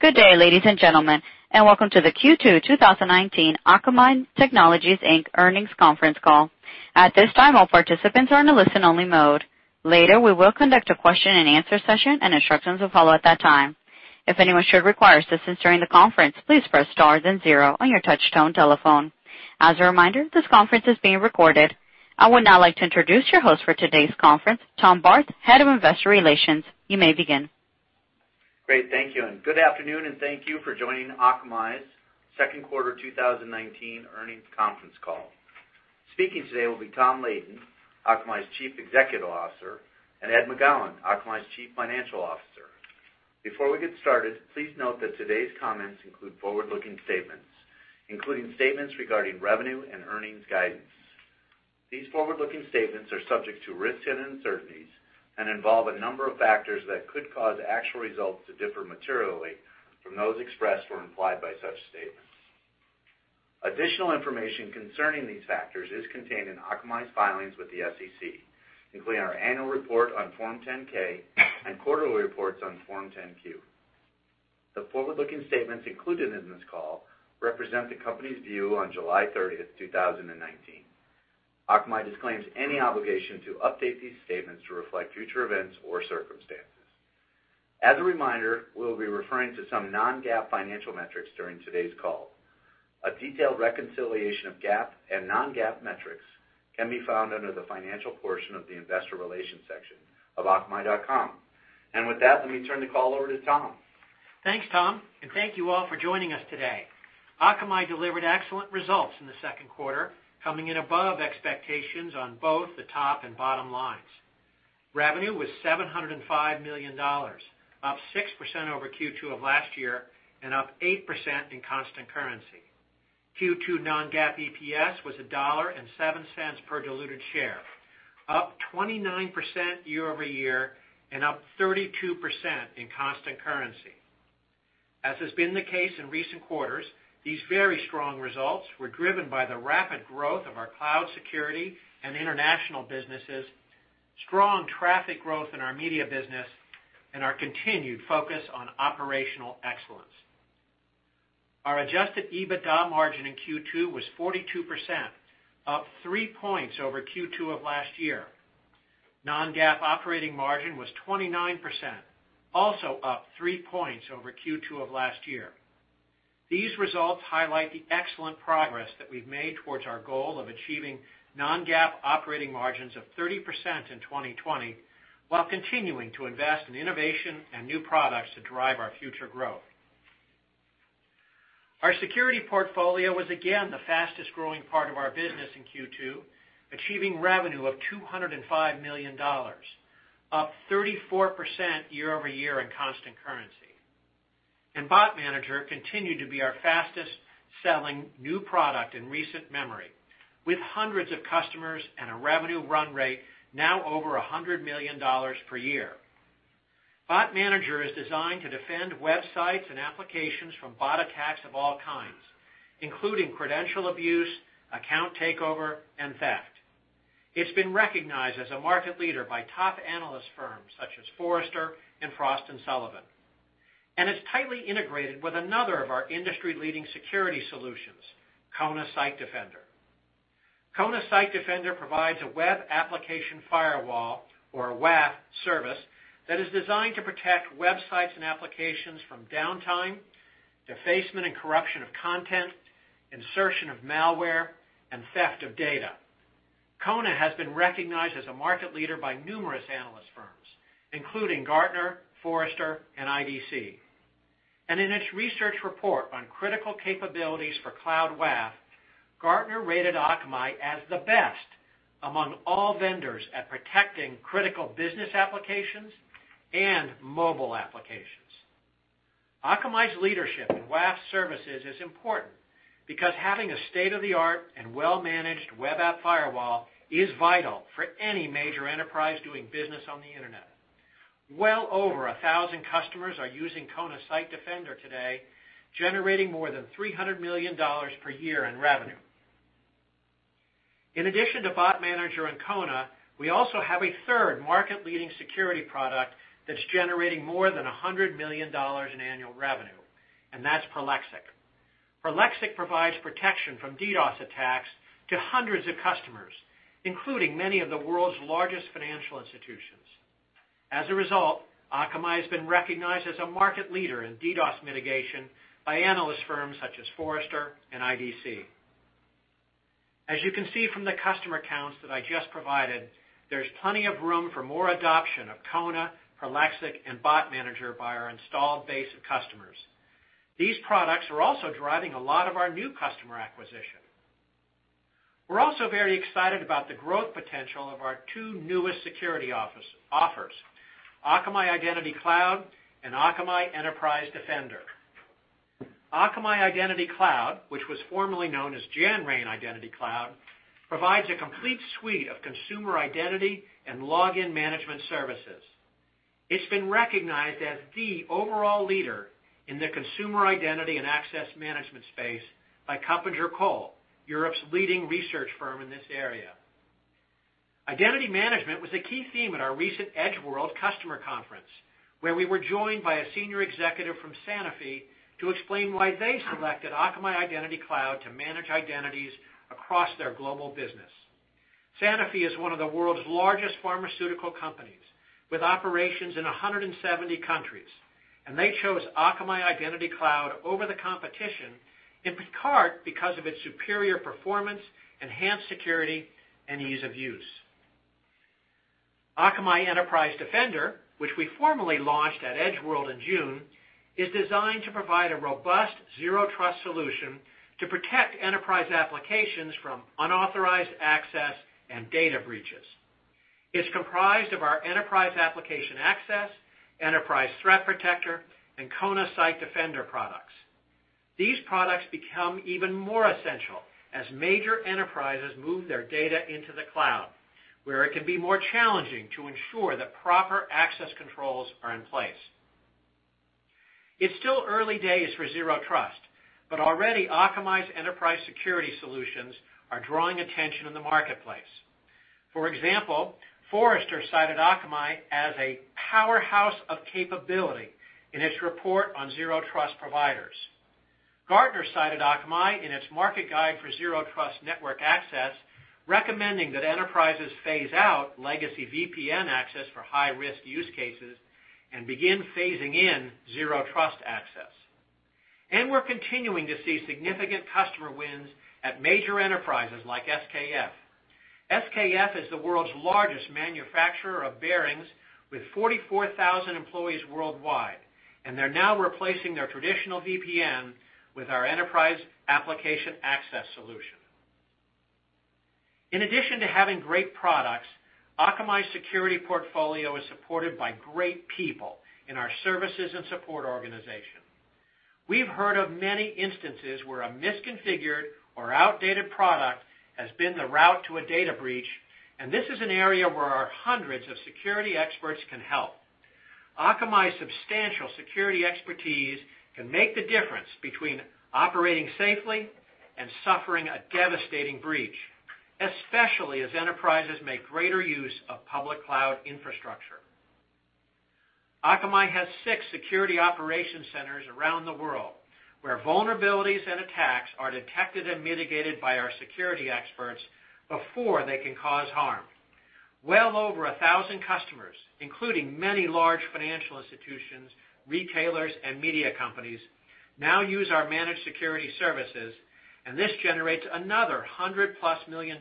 Good day, ladies and gentlemen. Welcome to the Q2 2019 Akamai Technologies, Inc. Earnings Conference Call. At this time, all participants are in a listen-only mode. Later, we will conduct a question and answer session. Instructions will follow at that time. If anyone should require assistance during the conference, please press star then zero on your touch-tone telephone. As a reminder, this conference is being recorded. I would now like to introduce your host for today's conference, Tom Barth, Head of Investor Relations. You may begin. Great, thank you. Good afternoon, and thank you for joining Akamai's second quarter 2019 earnings conference call. Speaking today will be Tom Leighton, Akamai's Chief Executive Officer, and Ed McGowan, Akamai's Chief Financial Officer. Before we get started, please note that today's comments include forward-looking statements, including statements regarding revenue and earnings guidance. These forward-looking statements are subject to risks and uncertainties and involve a number of factors that could cause actual results to differ materially from those expressed or implied by such statements. Additional information concerning these factors is contained in Akamai's filings with the SEC, including our annual report on Form 10-K and quarterly reports on Form 10-Q. The forward-looking statements included in this call represent the company's view on July 30th, 2019. Akamai disclaims any obligation to update these statements to reflect future events or circumstances. As a reminder, we will be referring to some non-GAAP financial metrics during today's call. A detailed reconciliation of GAAP and non-GAAP metrics can be found under the financial portion of the investor relations section of akamai.com. With that, let me turn the call over to Tom. Thanks, Tom. Thank you all for joining us today. Akamai delivered excellent results in the second quarter, coming in above expectations on both the top and bottom lines. Revenue was $705 million, up 6% over Q2 of last year. Up 8% in constant currency. Q2 non-GAAP EPS was $1.07 per diluted share, up 29% year-over-year. Up 32% in constant currency. As has been the case in recent quarters, these very strong results were driven by the rapid growth of our cloud security and international businesses, strong traffic growth in our media business, and our continued focus on operational excellence. Our adjusted EBITDA margin in Q2 was 42%, up three points over Q2 of last year. Non-GAAP operating margin was 29%, also up three points over Q2 of last year. These results highlight the excellent progress that we've made towards our goal of achieving non-GAAP operating margins of 30% in 2020, while continuing to invest in innovation and new products to drive our future growth. Our security portfolio was again the fastest-growing part of our business in Q2, achieving revenue of $205 million, up 34% year-over-year in constant currency. Bot Manager continued to be our fastest-selling new product in recent memory with hundreds of customers and a revenue run rate now over $100 million per year. Bot Manager is designed to defend websites and applications from bot attacks of all kinds, including credential abuse, account takeover, and theft. It's been recognized as a market leader by top analyst firms such as Forrester and Frost & Sullivan, and it's tightly integrated with another of our industry-leading security solutions, Kona Site Defender. Kona Site Defender provides a web application firewall, or WAF service, that is designed to protect websites and applications from downtime, defacement and corruption of content, insertion of malware, and theft of data. Kona has been recognized as a market leader by numerous analyst firms, including Gartner, Forrester, and IDC. In its research report on critical capabilities for cloud WAF, Gartner rated Akamai as the best among all vendors at protecting critical business applications and mobile applications. Akamai's leadership in WAF services is important because having a state-of-the-art and well-managed web app firewall is vital for any major enterprise doing business on the Internet. Well over 1,000 customers are using Kona Site Defender today, generating more than $300 million per year in revenue. In addition to Bot Manager and Kona, we also have a third market-leading security product that's generating more than $100 million in annual revenue, and that's Prolexic. Prolexic provides protection from DDoS attacks to hundreds of customers, including many of the world's largest financial institutions. As a result, Akamai has been recognized as a market leader in DDoS mitigation by analyst firms such as Forrester and IDC. As you can see from the customer counts that I just provided, there's plenty of room for more adoption of Kona, Prolexic, and Bot Manager by our installed base of customers. These products are also driving a lot of our new customer acquisition. We're also very excited about the growth potential of our two newest security offers, Akamai Identity Cloud and Akamai Enterprise Defender. Akamai Identity Cloud, which was formerly known as Janrain Identity Cloud, provides a complete suite of consumer identity and login management services. It's been recognized as the overall leader in the consumer identity and access management space by KuppingerCole, Europe's leading research firm in this area. Identity management was a key theme at our recent Edge World customer conference, where we were joined by a senior executive from Sanofi to explain why they selected Akamai Identity Cloud to manage identities across their global business. Sanofi is one of the world's largest pharmaceutical companies, with operations in 170 countries. They chose Akamai Identity Cloud over the competition in part because of its superior performance, enhanced security, and ease of use. Akamai Enterprise Defender, which we formally launched at Edge World in June, is designed to provide a robust zero trust solution to protect enterprise applications from unauthorized access and data breaches. It's comprised of our Enterprise Application Access, Enterprise Threat Protector, and Kona Site Defender products. These products become even more essential as major enterprises move their data into the cloud, where it can be more challenging to ensure that proper access controls are in place. It's still early days for zero trust, already Akamai's enterprise security solutions are drawing attention in the marketplace. For example, Forrester cited Akamai as a powerhouse of capability in its report on zero trust providers. Gartner cited Akamai in its market guide for zero trust network access, recommending that enterprises phase out legacy VPN access for high-risk use cases and begin phasing in zero-trust access. We're continuing to see significant customer wins at major enterprises like SKF. SKF is the world's largest manufacturer of bearings with 44,000 employees worldwide, they're now replacing their traditional VPN with our Enterprise Application Access solution. In addition to having great products, Akamai's security portfolio is supported by great people in our services and support organization. We've heard of many instances where a misconfigured or outdated product has been the root to a data breach, and this is an area where our hundreds of security experts can help. Akamai's substantial security expertise can make the difference between operating safely and suffering a devastating breach, especially as enterprises make greater use of public cloud infrastructure. Akamai has six security operations centers around the world, where vulnerabilities and attacks are detected and mitigated by our security experts before they can cause harm. Well over 1,000 customers, including many large financial institutions, retailers, and media companies, now use our managed security services, and this generates another $100+ million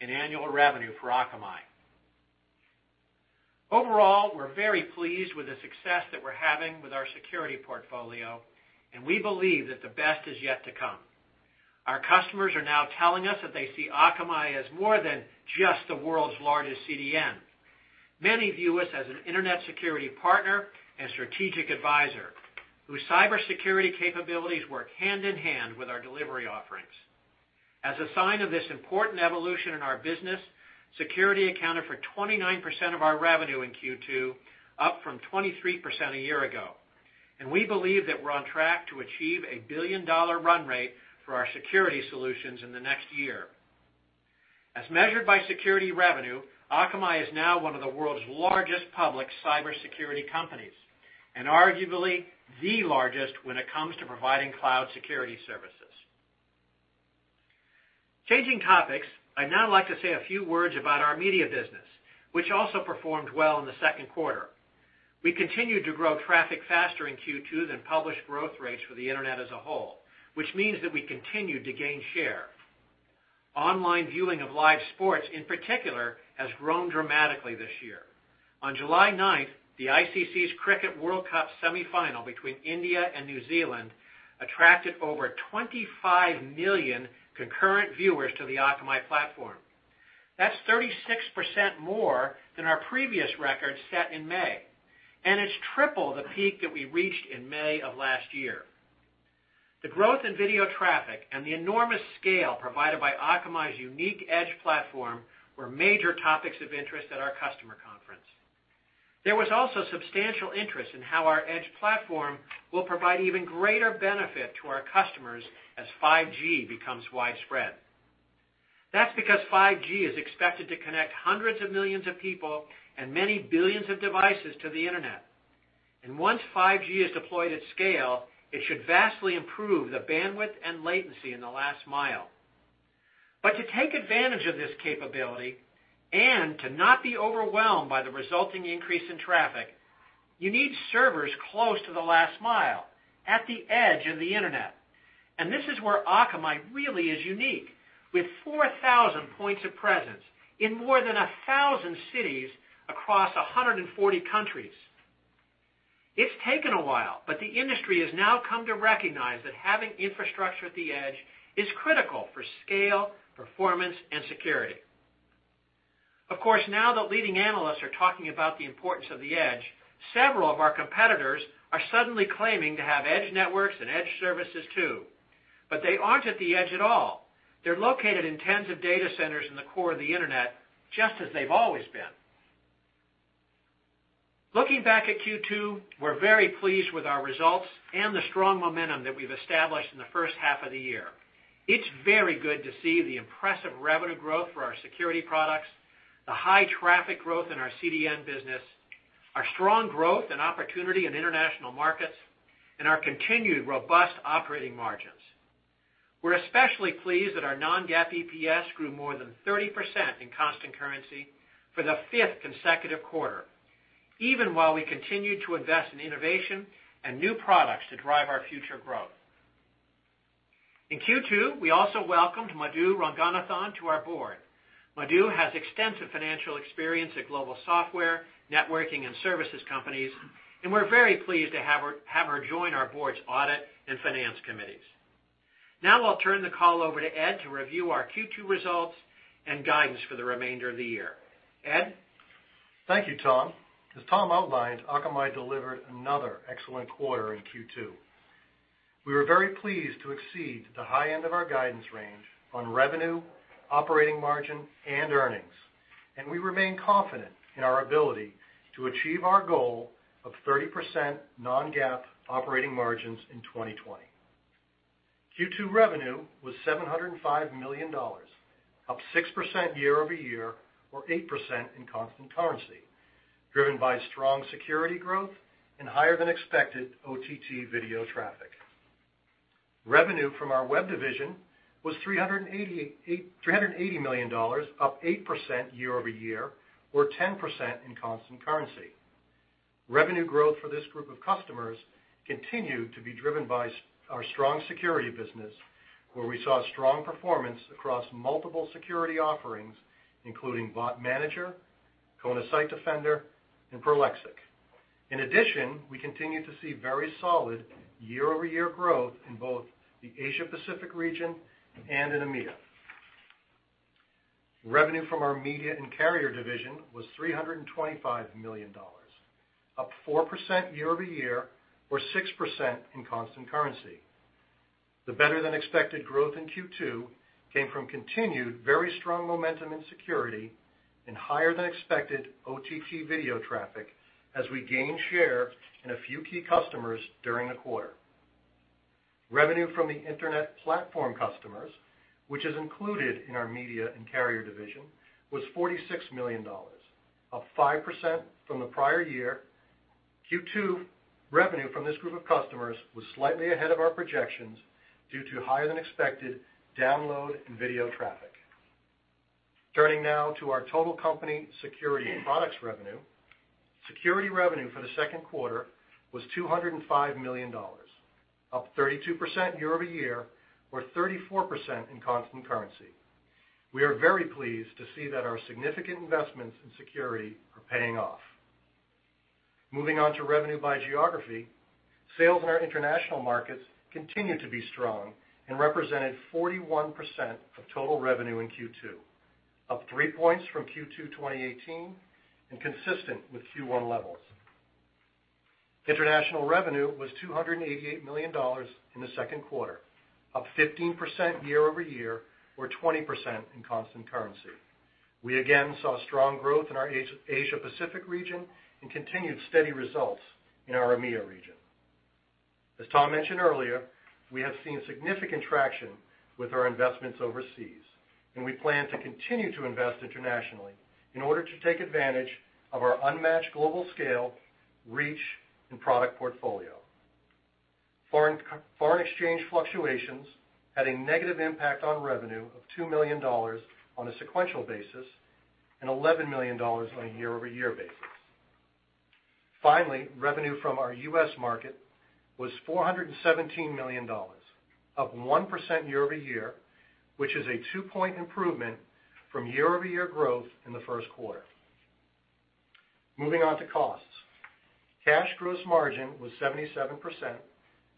in annual revenue for Akamai. Overall, we're very pleased with the success that we're having with our security portfolio, and we believe that the best is yet to come. Our customers are now telling us that they see Akamai as more than just the world's largest CDN. Many view us as an Internet security partner and strategic advisor, whose cybersecurity capabilities work hand-in-hand with our delivery offerings. As a sign of this important evolution in our business, security accounted for 29% of our revenue in Q2, up from 23% a year ago. We believe that we're on track to achieve a $1 billion run rate for our security solutions in the next year. As measured by security revenue, Akamai is now one of the world's largest public cybersecurity companies, and arguably the largest when it comes to providing cloud security services. Changing topics, I'd now like to say a few words about our media business, which also performed well in the second quarter. We continued to grow traffic faster in Q2 than published growth rates for the Internet as a whole, which means that we continued to gain share. Online viewing of live sports, in particular, has grown dramatically this year. On July 9th, the ICC's Cricket World Cup semifinal between India and New Zealand attracted over 25 million concurrent viewers to the Akamai platform. That's 36% more than our previous record set in May, and it's triple the peak that we reached in May of last year. The growth in video traffic and the enormous scale provided by Akamai's unique Edge platform were major topics of interest at our customer conference. There was also substantial interest in how our Edge platform will provide even greater benefit to our customers as 5G becomes widespread. That's because 5G is expected to connect hundreds of millions of people and many billions of devices to the Internet. Once 5G is deployed at scale, it should vastly improve the bandwidth and latency in the last mile. To take advantage of this capability and to not be overwhelmed by the resulting increase in traffic, you need servers close to the last mile, at the edge of the Internet. This is where Akamai really is unique, with 4,000 points of presence in more than 1,000 cities across 140 countries. It's taken a while, but the industry has now come to recognize that having infrastructure at the edge is critical for scale, performance, and security. Now that leading analysts are talking about the importance of the edge, several of our competitors are suddenly claiming to have edge networks and edge services too. They aren't at the edge at all. They're located in tens of data centers in the core of the Internet, just as they've always been. Looking back at Q2, we're very pleased with our results and the strong momentum that we've established in the first half of the year. It's very good to see the impressive revenue growth for our security products, the high traffic growth in our CDN business, our strong growth and opportunity in international markets, and our continued robust operating margins. We're especially pleased that our non-GAAP EPS grew more than 30% in constant currency for the fifth consecutive quarter, even while we continued to invest in innovation and new products to drive our future growth. In Q2, we also welcomed Madhu Ranganathan to our board. Madhu has extensive financial experience at global software, networking, and services companies, and we're very pleased to have her join our board's audit and finance committees. Now I'll turn the call over to Ed to review our Q2 results and guidance for the remainder of the year. Ed? Thank you, Tom. As Tom outlined, Akamai delivered another excellent quarter in Q2. We were very pleased to exceed the high end of our guidance range on revenue, operating margin, and earnings. We remain confident in our ability to achieve our goal of 30% non-GAAP operating margins in 2020. Q2 revenue was $705 million, up 6% year-over-year or 8% in constant currency, driven by strong security growth and higher than expected OTT video traffic. Revenue from our web division was $380 million, up 8% year-over-year, or 10% in constant currency. Revenue growth for this group of customers continued to be driven by our strong security business, where we saw strong performance across multiple security offerings, including Bot Manager, Kona Site Defender, and Prolexic. In addition, we continued to see very solid year-over-year growth in both the Asia Pacific region and in EMEA. Revenue from our media and carrier division was $325 million, up 4% year-over-year, or 6% in constant currency. The better-than-expected growth in Q2 came from continued very strong momentum in security and higher than expected OTT video traffic as we gained share in a few key customers during the quarter. Revenue from the Internet platform customers, which is included in our media and carrier division, was $46 million, up 5% from the prior year. Q2 revenue from this group of customers was slightly ahead of our projections due to higher than expected download and video traffic. Turning now to our total company security products revenue. Security revenue for the second quarter was $205 million, up 32% year-over-year, or 34% in constant currency. We are very pleased to see that our significant investments in security are paying off. Moving on to revenue by geography. Sales in our international markets continued to be strong and represented 41% of total revenue in Q2, up three points from Q2 2018 and consistent with Q1 levels. International revenue was $288 million in the second quarter, up 15% year-over-year, or 20% in constant currency. We again saw strong growth in our Asia Pacific region and continued steady results in our EMEA region. As Tom mentioned earlier, we have seen significant traction with our investments overseas, and we plan to continue to invest internationally in order to take advantage of our unmatched global scale, reach, and product portfolio. Foreign exchange fluctuations had a negative impact on revenue of $2 million on a sequential basis and $11 million on a year-over-year basis. Finally, revenue from our U.S. market was $417 million, up 1% year-over-year, which is a two-point improvement from year-over-year growth in the first quarter. Moving on to costs. Cash gross margin was 77%,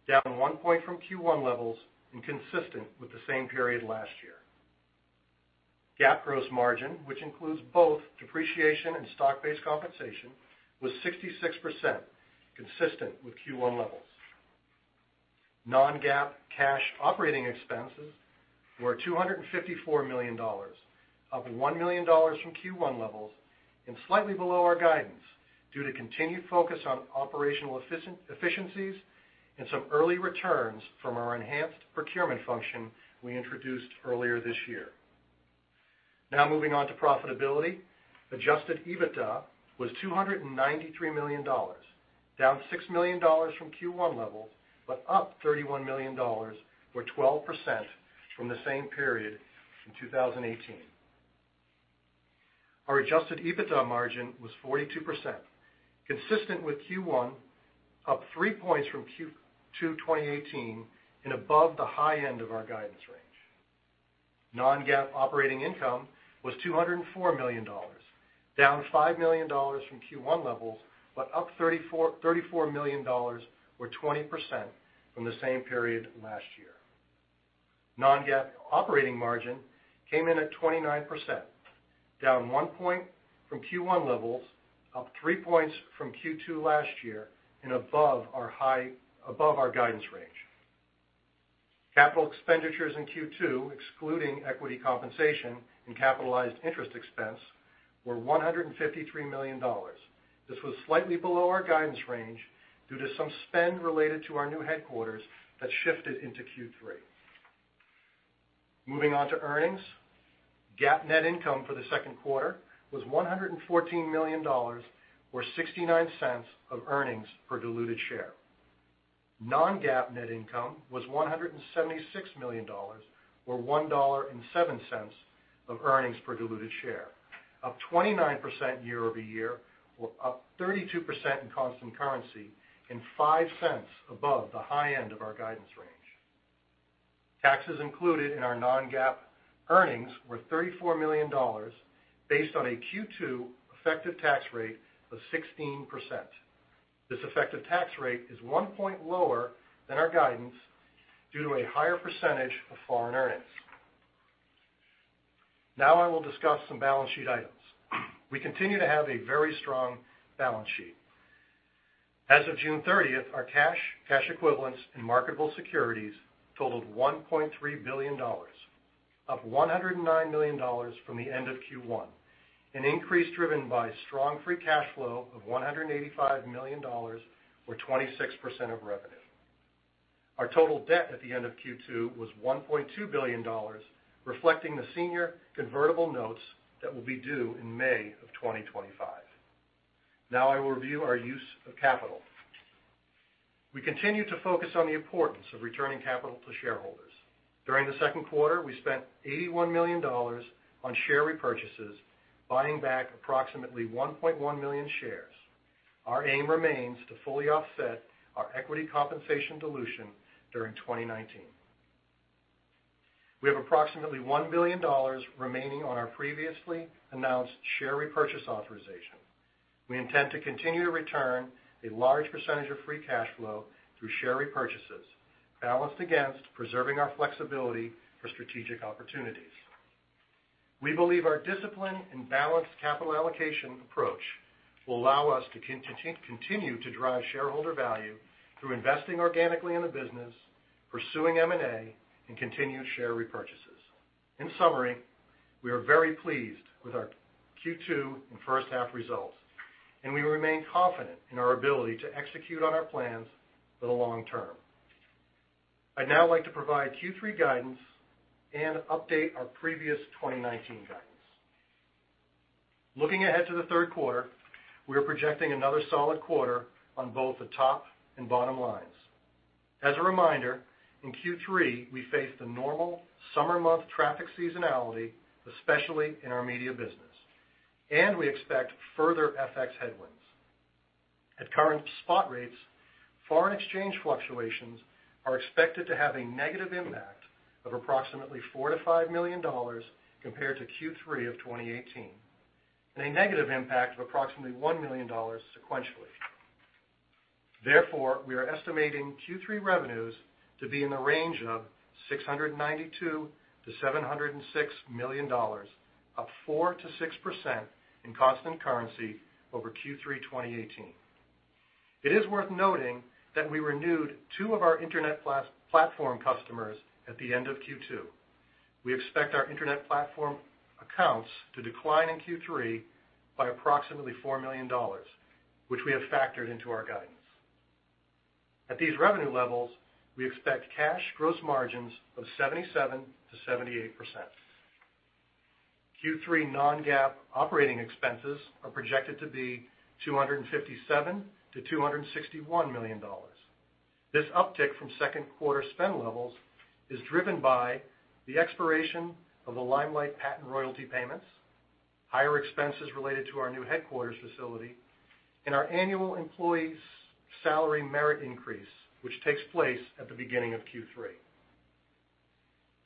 down one point from Q1 levels and consistent with the same period last year. GAAP gross margin, which includes both depreciation and stock-based compensation, was 66%, consistent with Q1 levels. Non-GAAP cash operating expenses were $254 million, up $1 million from Q1 levels and slightly below our guidance due to continued focus on operational efficiencies and some early returns from our enhanced procurement function we introduced earlier this year. Moving on to profitability. Adjusted EBITDA was $293 million, down $6 million from Q1 levels, up $31 million, or 12%, from the same period in 2018. Our adjusted EBITDA margin was 42%, consistent with Q1, up three points from Q2 2018, and above the high end of our guidance range. Non-GAAP operating income was $204 million, down $5 million from Q1 levels. Up $34 million, or 20%, from the same period last year. Non-GAAP operating margin came in at 29%, down one point from Q1 levels, up three points from Q2 last year, and above our guidance range. Capital expenditures in Q2, excluding equity compensation and capitalized interest expense, were $153 million. This was slightly below our guidance range due to some spend related to our new headquarters that shifted into Q3. Moving on to earnings. GAAP net income for the second quarter was $114 million, or $0.69 of earnings per diluted share. Non-GAAP net income was $176 million, or $1.07 of earnings per diluted share, up 29% year-over-year, or up 32% in constant currency and $0.05 above the high end of our guidance range. Taxes included in our non-GAAP earnings were $34 million based on a Q2 effective tax rate of 16%. This effective tax rate is one point lower than our guidance due to a higher percentage of foreign earnings. I will discuss some balance sheet items. We continue to have a very strong balance sheet. As of June 30th, our cash equivalents, and marketable securities totaled $1.3 billion, up $109 million from the end of Q1, an increase driven by strong free cash flow of $185 million or 26% of revenue. Our total debt at the end of Q2 was $1.2 billion, reflecting the senior convertible notes that will be due in May of 2025. Now I will review our use of capital. We continue to focus on the importance of returning capital to shareholders. During the second quarter, we spent $81 million on share repurchases, buying back approximately 1.1 million shares. Our aim remains to fully offset our equity compensation dilution during 2019. We have approximately $1 billion remaining on our previously announced share repurchase authorization. We intend to continue to return a large percentage of free cash flow through share repurchases, balanced against preserving our flexibility for strategic opportunities. We believe our discipline and balanced capital allocation approach will allow us to continue to drive shareholder value through investing organically in the business, pursuing M&A, and continued share repurchases. In summary, we are very pleased with our Q2 and first half results, and we remain confident in our ability to execute on our plans for the long term. I'd now like to provide Q3 guidance and update our previous 2019 guidance. Looking ahead to the third quarter, we are projecting another solid quarter on both the top and bottom lines. As a reminder, in Q3, we face the normal summer month traffic seasonality, especially in our media business, and we expect further FX headwinds. At current spot rates, foreign exchange fluctuations are expected to have a negative impact of approximately $4 million-$5 million compared to Q3 of 2018, and a negative impact of approximately $1 million sequentially. We are estimating Q3 revenues to be in the range of $692 million-$706 million, up 4%-6% in constant currency over Q3 2018. It is worth noting that we renewed two of our Internet platform customers at the end of Q2. We expect our Internet platform accounts to decline in Q3 by approximately $4 million, which we have factored into our guidance. At these revenue levels, we expect cash gross margins of 77%-78%. Q3 non-GAAP operating expenses are projected to be $257 million-$261 million. This uptick from second quarter spend levels is driven by the expiration of the Limelight patent royalty payments, higher expenses related to our new headquarters facility, and our annual employees' salary merit increase, which takes place at the beginning of Q3.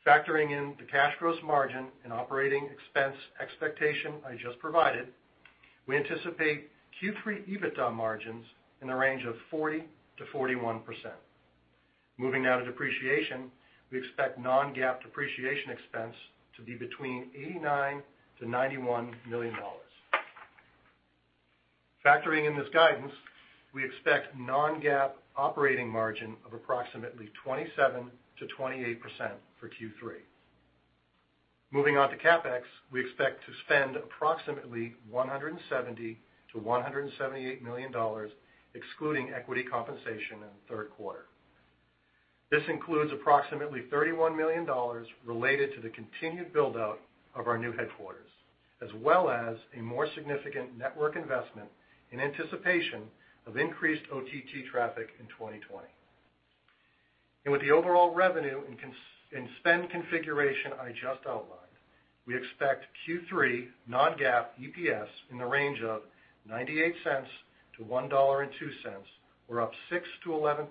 Factoring in the cash gross margin and operating expense expectation I just provided, we anticipate Q3 EBITDA margins in the range of 40%-41%. Moving now to depreciation, we expect non-GAAP depreciation expense to be between $89 million-$91 million. Factoring in this guidance, we expect non-GAAP operating margin of approximately 27%-28% for Q3. Moving on to CapEx, we expect to spend approximately $170 million-$178 million excluding equity compensation in the third quarter. This includes approximately $31 million related to the continued build-out of our new headquarters, as well as a more significant network investment in anticipation of increased OTT traffic in 2020. With the overall revenue and spend configuration I just outlined, we expect Q3 non-GAAP EPS in the range of $0.98-$1.02, or up 6%-11%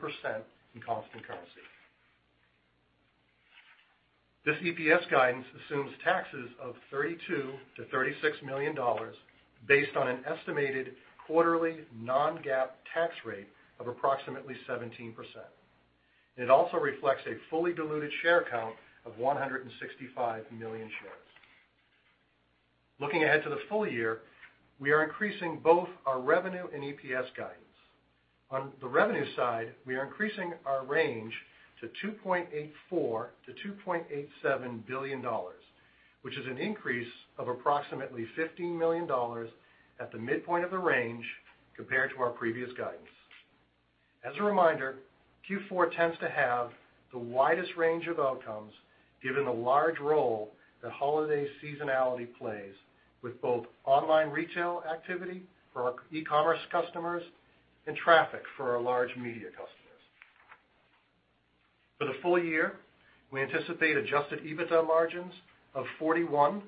in constant currency. This EPS guidance assumes taxes of $32 million-$36 million based on an estimated quarterly non-GAAP tax rate of approximately 17%. It also reflects a fully diluted share count of 165 million shares. Looking ahead to the full year, we are increasing both our revenue and EPS guidance. On the revenue side, we are increasing our range to $2.84 billion-$2.87 billion, which is an increase of approximately $15 million at the midpoint of the range compared to our previous guidance. As a reminder, Q4 tends to have the widest range of outcomes given the large role that holiday seasonality plays with both online retail activity for our e-commerce customers and traffic for our large media customers. For the full year, we anticipate adjusted EBITDA margins of 41%-42%.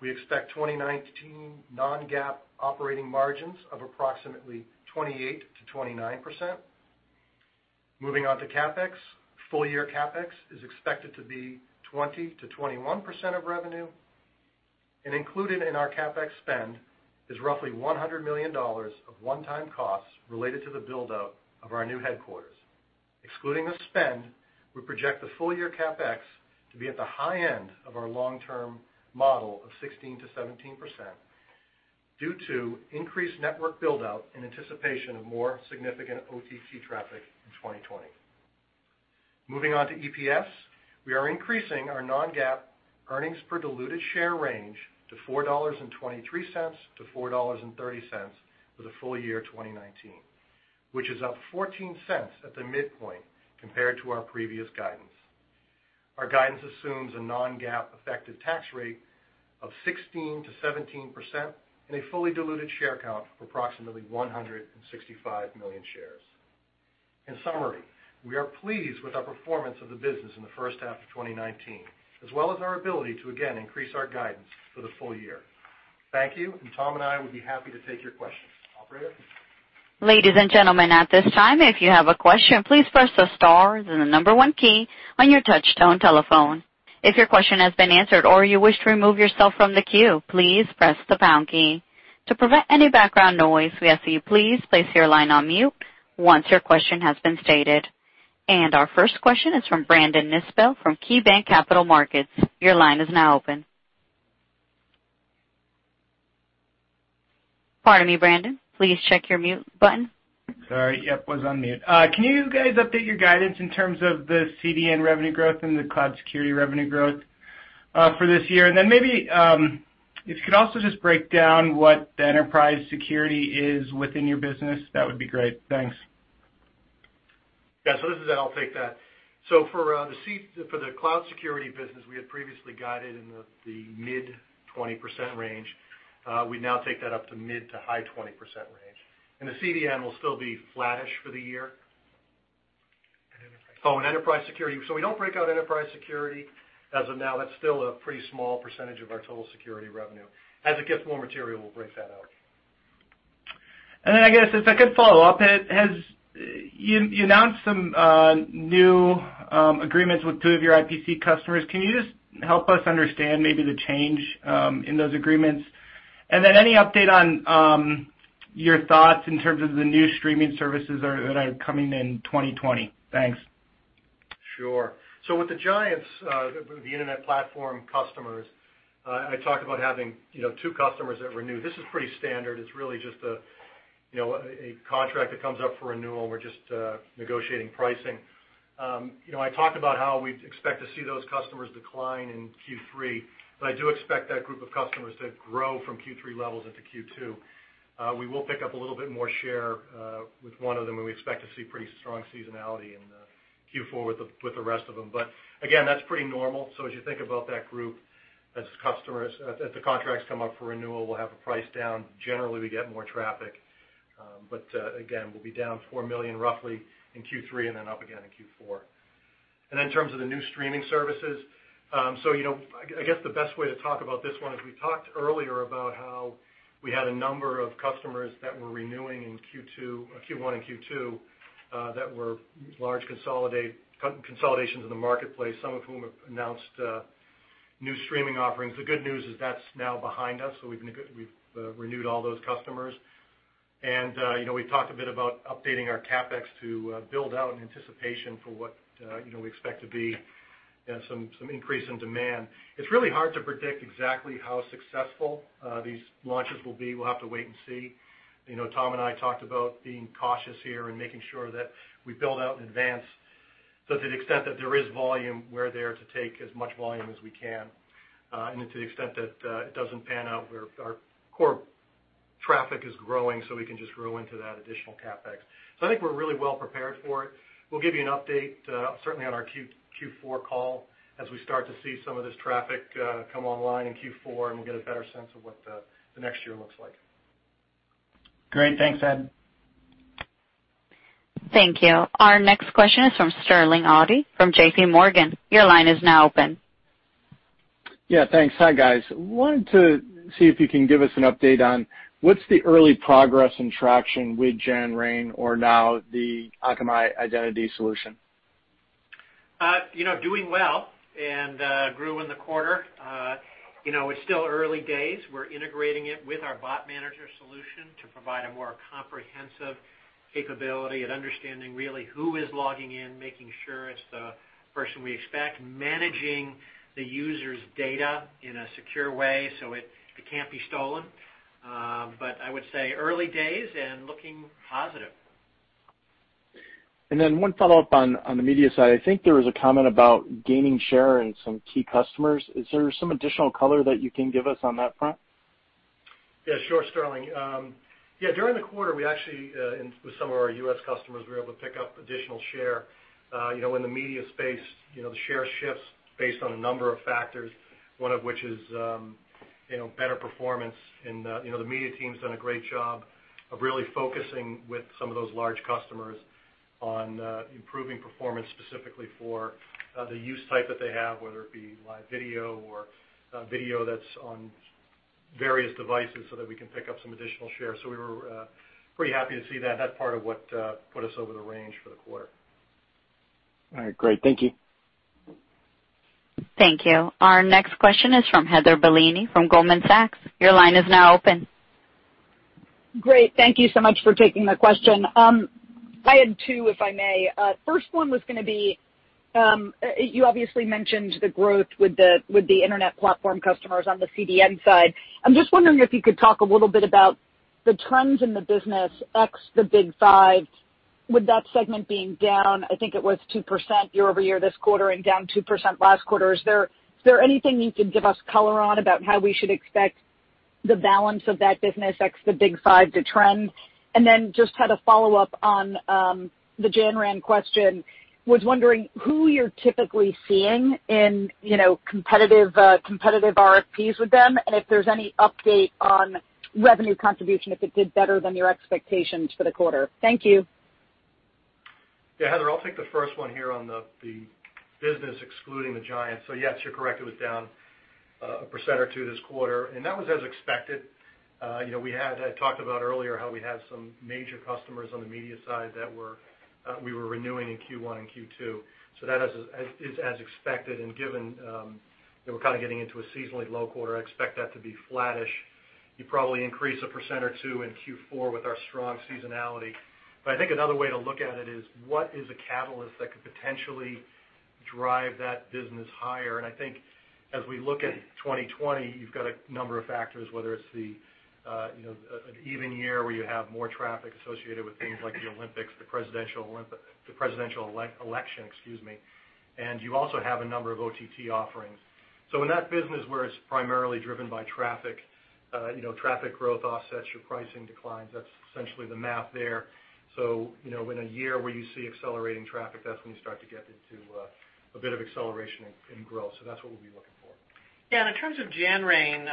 We expect 2019 non-GAAP operating margins of approximately 28%-29%. Moving on to CapEx. Full year CapEx is expected to be 20%-21% of revenue. Included in our CapEx spend is roughly $100 million of 1x costs related to the buildup of our new headquarters. Excluding the spend, we project the full-year CapEx to be at the high end of our long-term model of 16%-17% due to increased network build-out in anticipation of more significant OTT traffic in 2020. Moving on to EPS, we are increasing our non-GAAP earnings per diluted share range to $4.23-$4.30 for the full year 2019, which is up $0.14 at the midpoint compared to our previous guidance. Our guidance assumes a non-GAAP effective tax rate of 16%-17% and a fully diluted share count of approximately 165 million shares. In summary, we are pleased with our performance of the business in the first half of 2019, as well as our ability to again increase our guidance for the full year. Thank you. Tom and I would be happy to take your questions. Operator? Ladies and gentlemen, at this time, if you have a question, please press the star then the one key on your touch tone telephone. If your question has been answered or you wish to remove yourself from the queue, please press the pound key. To prevent any background noise, we ask that you please place your line on mute once your question has been stated. Our first question is from Brandon Nispel from KeyBanc Capital Markets. Your line is now open. Pardon me, Brandon, please check your mute button. Sorry. Yep, was on mute. Can you guys update your guidance in terms of the CDN revenue growth and the cloud security revenue growth for this year? Maybe if you could also just break down what the enterprise security is within your business, that would be great. Thanks. This is Ed. I'll take that. For the cloud security business, we had previously guided in the mid 20% range. We now take that up to mid to high 20% range, and the CDN will still be flattish for the year. Enterprise security. Enterprise security. We don't break out enterprise security as of now. That's still a pretty small % of our total security revenue. As it gets more material, we'll break that out. I guess as a good follow-up, you announced some new agreements with two of your IPC customers. Can you just help us understand maybe the change in those agreements? Any update on your thoughts in terms of the new streaming services that are coming in 2020? Thanks. Sure. With the giants, the internet platform customers, I talk about having two customers that renew. This is pretty standard. It's really just a contract that comes up for renewal. We're just negotiating pricing. I talked about how we'd expect to see those customers decline in Q3, but I do expect that group of customers to grow from Q3 levels into Q2. We will pick up a little bit more share with one of them, and we expect to see pretty strong seasonality in Q4 with the rest of them. Again, that's pretty normal. As you think about that group, as the contracts come up for renewal, we'll have a price down. Generally, we get more traffic. Again, we'll be down $4 million roughly in Q3 and then up again in Q4. In terms of the new streaming services, I guess the best way to talk about this one is we talked earlier about how we had a number of customers that were renewing in Q1 and Q2 that were large consolidations in the marketplace, some of whom have announced new streaming offerings. The good news is that's now behind us, so we've renewed all those customers. We've talked a bit about updating our CapEx to build out in anticipation for what we expect to be some increase in demand. It's really hard to predict exactly how successful these launches will be. We'll have to wait and see. Tom and I talked about being cautious here and making sure that we build out in advance, so to the extent that there is volume, we're there to take as much volume as we can. To the extent that it doesn't pan out, our core traffic is growing, so we can just grow into that additional CapEx. I think we're really well prepared for it. We'll give you an update certainly on our Q4 call as we start to see some of this traffic come online in Q4, and we'll get a better sense of what the next year looks like. Great. Thanks, Ed. Thank you. Our next question is from Sterling Auty from JPMorgan. Your line is now open. Thanks. Hi, guys. Wanted to see if you can give us an update on what's the early progress and traction with Janrain or now the Akamai Identity Cloud? Doing well and grew in the quarter. It's still early days. We're integrating it with our Bot Manager solution to provide a more comprehensive capability at understanding really who is logging in, making sure it's the person we expect, managing the user's data in a secure way so it can't be stolen. I would say early days and looking positive. One follow-up on the media side, I think there was a comment about gaining share in some key customers. Is there some additional color that you can give us on that front? Yeah, sure, Sterling. Yeah, during the quarter, with some of our U.S. customers, we were able to pick up additional share. In the media space, the share shifts based on a number of factors, one of which is better performance. The media team's done a great job of really focusing with some of those large customers on improving performance specifically for the use type that they have, whether it be live video or video that's on various devices so that we can pick up some additional share. We were pretty happy to see that. That's part of what put us over the range for the quarter. All right, great. Thank you. Thank you. Our next question is from Heather Bellini from Goldman Sachs. Your line is now open. Great. Thank you so much for taking the question. I had two, if I may. First one was going to be, you obviously mentioned the growth with the internet platform customers on the CDN side. I'm just wondering if you could talk a little bit about the trends in the business, ex the big five, with that segment being down, I think it was 2% year-over-year this quarter and down 2% last quarter. Is there anything you could give us color on about how we should expect the balance of that business, ex the big five to trend? Then just had a follow-up on the Janrain question. Was wondering who you're typically seeing in competitive RFPs with them, and if there's any update on revenue contribution, if it did better than your expectations for the quarter. Thank you. Yeah, Heather, I'll take the first one here on the business excluding the giants. Yes, you're correct. It was down 1% or 2% this quarter, and that was as expected. I talked about earlier how we had some major customers on the media side that we were renewing in Q1 and Q2. That is as expected, and given that we're kind of getting into a seasonally low quarter, I expect that to be flattish. You probably increase 1% or 2% in Q4 with our strong seasonality. I think another way to look at it is what is a catalyst that could potentially drive that business higher? I think as we look at 2020, you've got a number of factors, whether it's an even year where you have more traffic associated with things like the Olympics, the presidential election, excuse me, and you also have a number of OTT offerings. In that business where it's primarily driven by traffic growth offsets your pricing declines. That's essentially the math there. In a year where you see accelerating traffic, that's when you start to get into a bit of acceleration in growth. That's what we'll be looking for. Yeah, in terms of Janrain,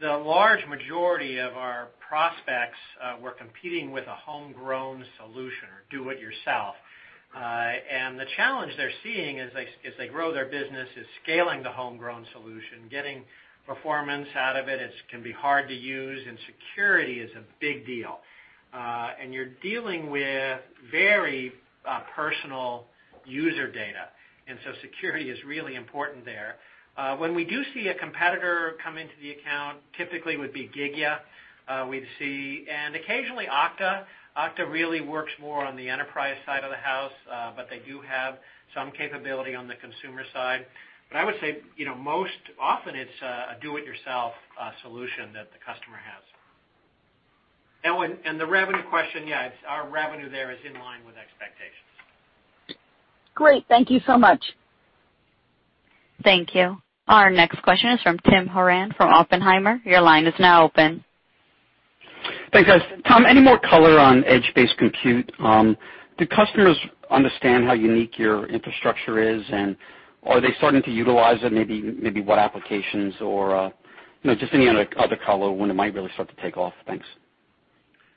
the large majority of our prospects were competing with a homegrown solution or do-it-yourself. The challenge they're seeing as they grow their business is scaling the homegrown solution, getting performance out of it. It can be hard to use, and security is a big deal. You're dealing with very personal user data. Security is really important there. When we do see a competitor come into the account, typically would be Gigya. Occasionally Okta. Okta really works more on the enterprise side of the house, but they do have some capability on the consumer side. I would say, most often it's a do-it-yourself solution that the customer has. Oh, and the revenue question, yeah, our revenue there is in line with expectations. Great. Thank you so much. Thank you. Our next question is from Tim Horan from Oppenheimer. Your line is now open. Thanks, guys. Tom, any more color on edge-based compute? Do customers understand how unique your infrastructure is, and are they starting to utilize it? Maybe what applications or just any other color when it might really start to take off? Thanks.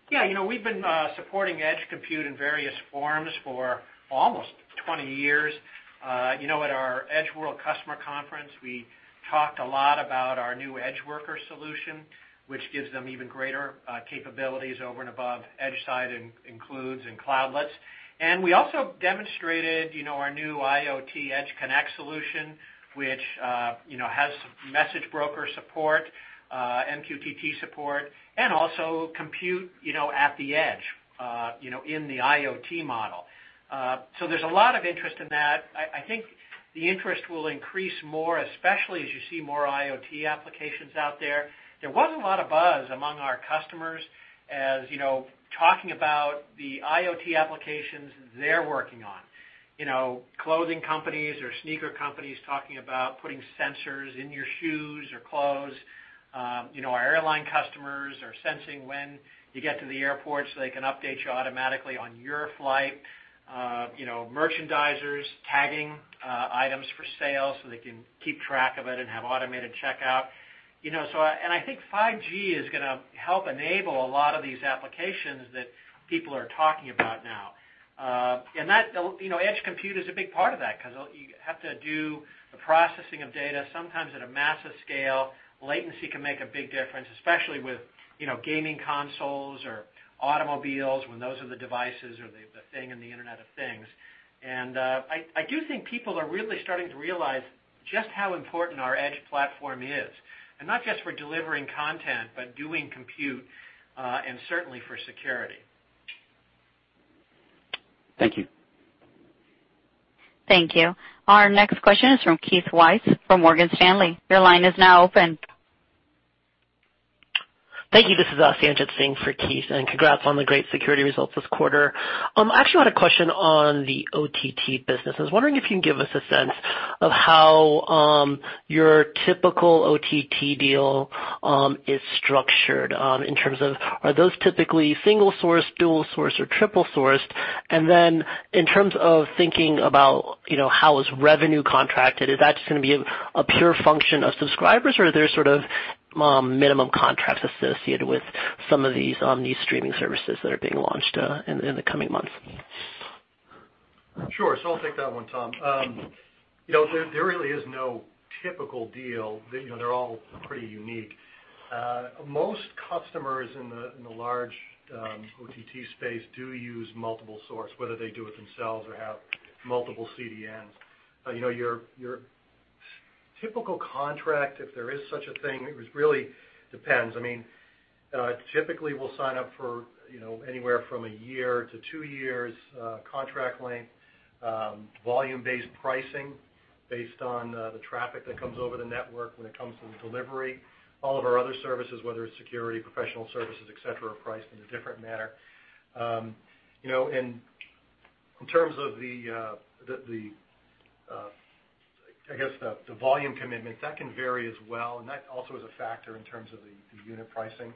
Yeah, we've been supporting edge compute in various forms for almost 20 years. At our Edge World customer conference, we talked a lot about our new EdgeWorkers solution, which gives them even greater capabilities over and above Edge Side Includes and Cloudlets. We also demonstrated our new IoT Edge Connect solution, which has message broker support, MQTT support, and also compute at the edge in the IoT model. There's a lot of interest in that. I think the interest will increase more, especially as you see more IoT applications out there. There was a lot of buzz among our customers as talking about the IoT applications they're working on. Clothing companies or sneaker companies talking about putting sensors in your shoes or clothes. Our airline customers are sensing when you get to the airport so they can update you automatically on your flight. Merchandisers tagging items for sale so they can keep track of it and have automated checkout. I think 5G is going to help enable a lot of these applications that people are talking about now. Edge compute is a big part of that because you have to do the processing of data, sometimes at a massive scale. Latency can make a big difference, especially with gaming consoles or automobiles when those are the devices or the thing in the Internet of Things. I do think people are really starting to realize Just how important our Edge platform is, not just for delivering content, but doing compute, and certainly for security. Thank you. Thank you. Our next question is from Keith Weiss from Morgan Stanley. Your line is now open. Thank you. This is Sanjit Singh for Keith, congrats on the great security results this quarter. I actually had a question on the OTT business. I was wondering if you can give us a sense of how your typical OTT deal is structured, in terms of, are those typically single source, dual source, or triple sourced? Then in terms of thinking about how is revenue contracted, is that just going to be a pure function of subscribers, or are there sort of minimum contracts associated with some of these streaming services that are being launched in the coming months? Sure. I'll take that one, Tom. There really is no typical deal. They're all pretty unique. Most customers in the large OTT space do use multiple source, whether they do it themselves or have multiple CDNs. Your typical contract, if there is such a thing, it really depends. Typically, we'll sign up for anywhere from a year to two years contract length, volume-based pricing based on the traffic that comes over the network when it comes to delivery. All of our other services, whether it's security, professional services, et cetera, are priced in a different manner. In terms of the volume commitment, that can vary as well, and that also is a factor in terms of the unit pricing.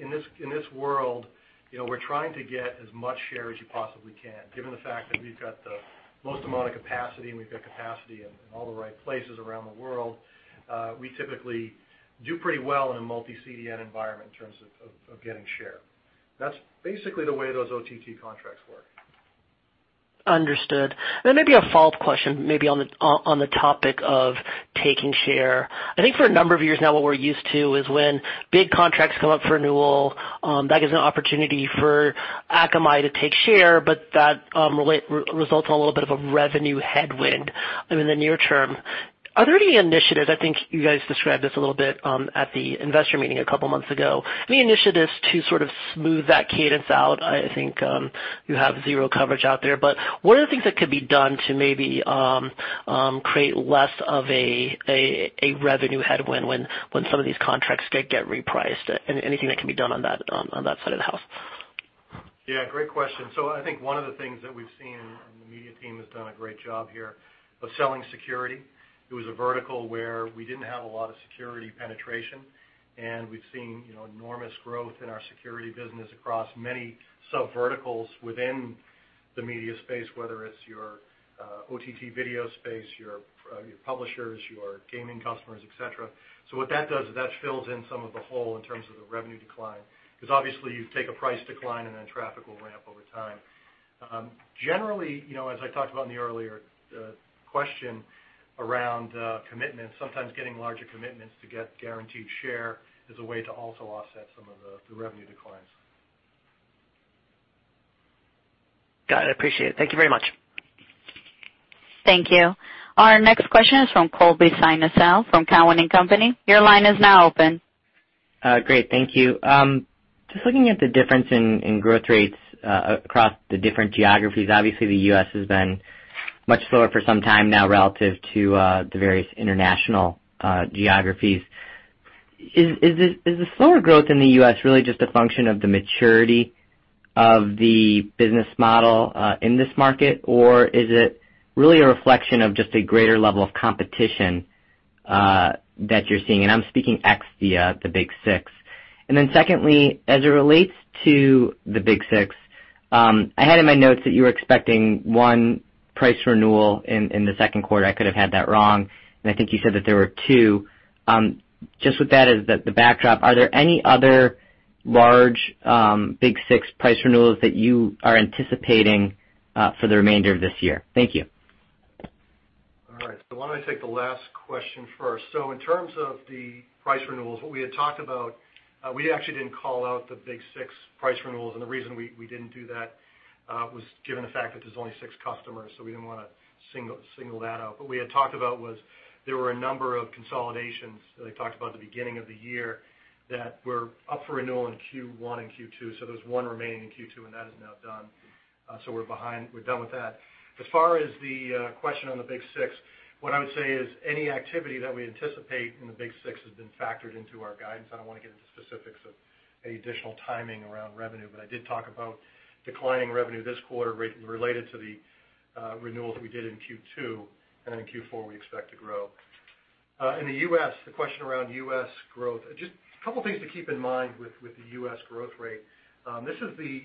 In this world, we're trying to get as much share as you possibly can. Given the fact that we've got the most amount of capacity, and we've got capacity in all the right places around the world, we typically do pretty well in a multi-CDN environment in terms of getting share. That's basically the way those OTT contracts work. Understood. Maybe a follow-up question, maybe on the topic of taking share. I think for a number of years now, what we're used to is when big contracts come up for renewal, that gives an opportunity for Akamai to take share, but that results in a little bit of a revenue headwind in the near term. Are there any initiatives, I think you guys described this a little bit at the investor meeting a couple of months ago, any initiatives to sort of smooth that cadence out? I think you have zero trust out there, but what are the things that could be done to maybe create less of a revenue headwind when some of these contracts get repriced? Anything that can be done on that side of the house? Yeah, great question. I think one of the things that we've seen, and the media team has done a great job here of selling security. It was a vertical where we didn't have a lot of security penetration, and we've seen enormous growth in our security business across many sub-verticals within the media space, whether it's your OTT video space, your publishers, your gaming customers, et cetera. What that does is that fills in some of the hole in terms of the revenue decline, because obviously you take a price decline and then traffic will ramp over time. Generally, as I talked about in the earlier question around commitments, sometimes getting larger commitments to get guaranteed share is a way to also offset some of the revenue declines. Got it. Appreciate it. Thank you very much. Thank you. Our next question is from Colby Synesael from Cowen and Company. Your line is now open. Great. Thank you. Just looking at the difference in growth rates across the different geographies. Obviously, the U.S. has been much slower for some time now relative to the various international geographies. Is the slower growth in the U.S. really just a function of the maturity of the business model in this market, or is it really a reflection of just a greater level of competition that you're seeing? I'm speaking ex the Big Six. Secondly, as it relates to the Big Six, I had in my notes that you were expecting one price renewal in the second quarter. I could have had that wrong, and I think you said that there were two. Just with that as the backdrop, are there any other large Big Six price renewals that you are anticipating for the remainder of this year? Thank you. All right. Why don't I take the last question first. In terms of the price renewals, what we had talked about, we actually didn't call out the Big Six price renewals, and the reason we didn't do that was given the fact that there's only six customers, so we didn't want to single that out. What we had talked about was there were a number of consolidations that I talked about at the beginning of the year that were up for renewal in Q1 and Q2, so there was one remaining in Q2, and that is now done. We're done with that. As far as the question on the Big Six, what I would say is any activity that we anticipate in the Big Six has been factored into our guidance. I don't want to get into specifics of any additional timing around revenue, but I did talk about declining revenue this quarter related to the renewals we did in Q2, and then in Q4, we expect to grow. In the U.S., the question around U.S. growth. Just a couple of things to keep in mind with the U.S. growth rate. This is the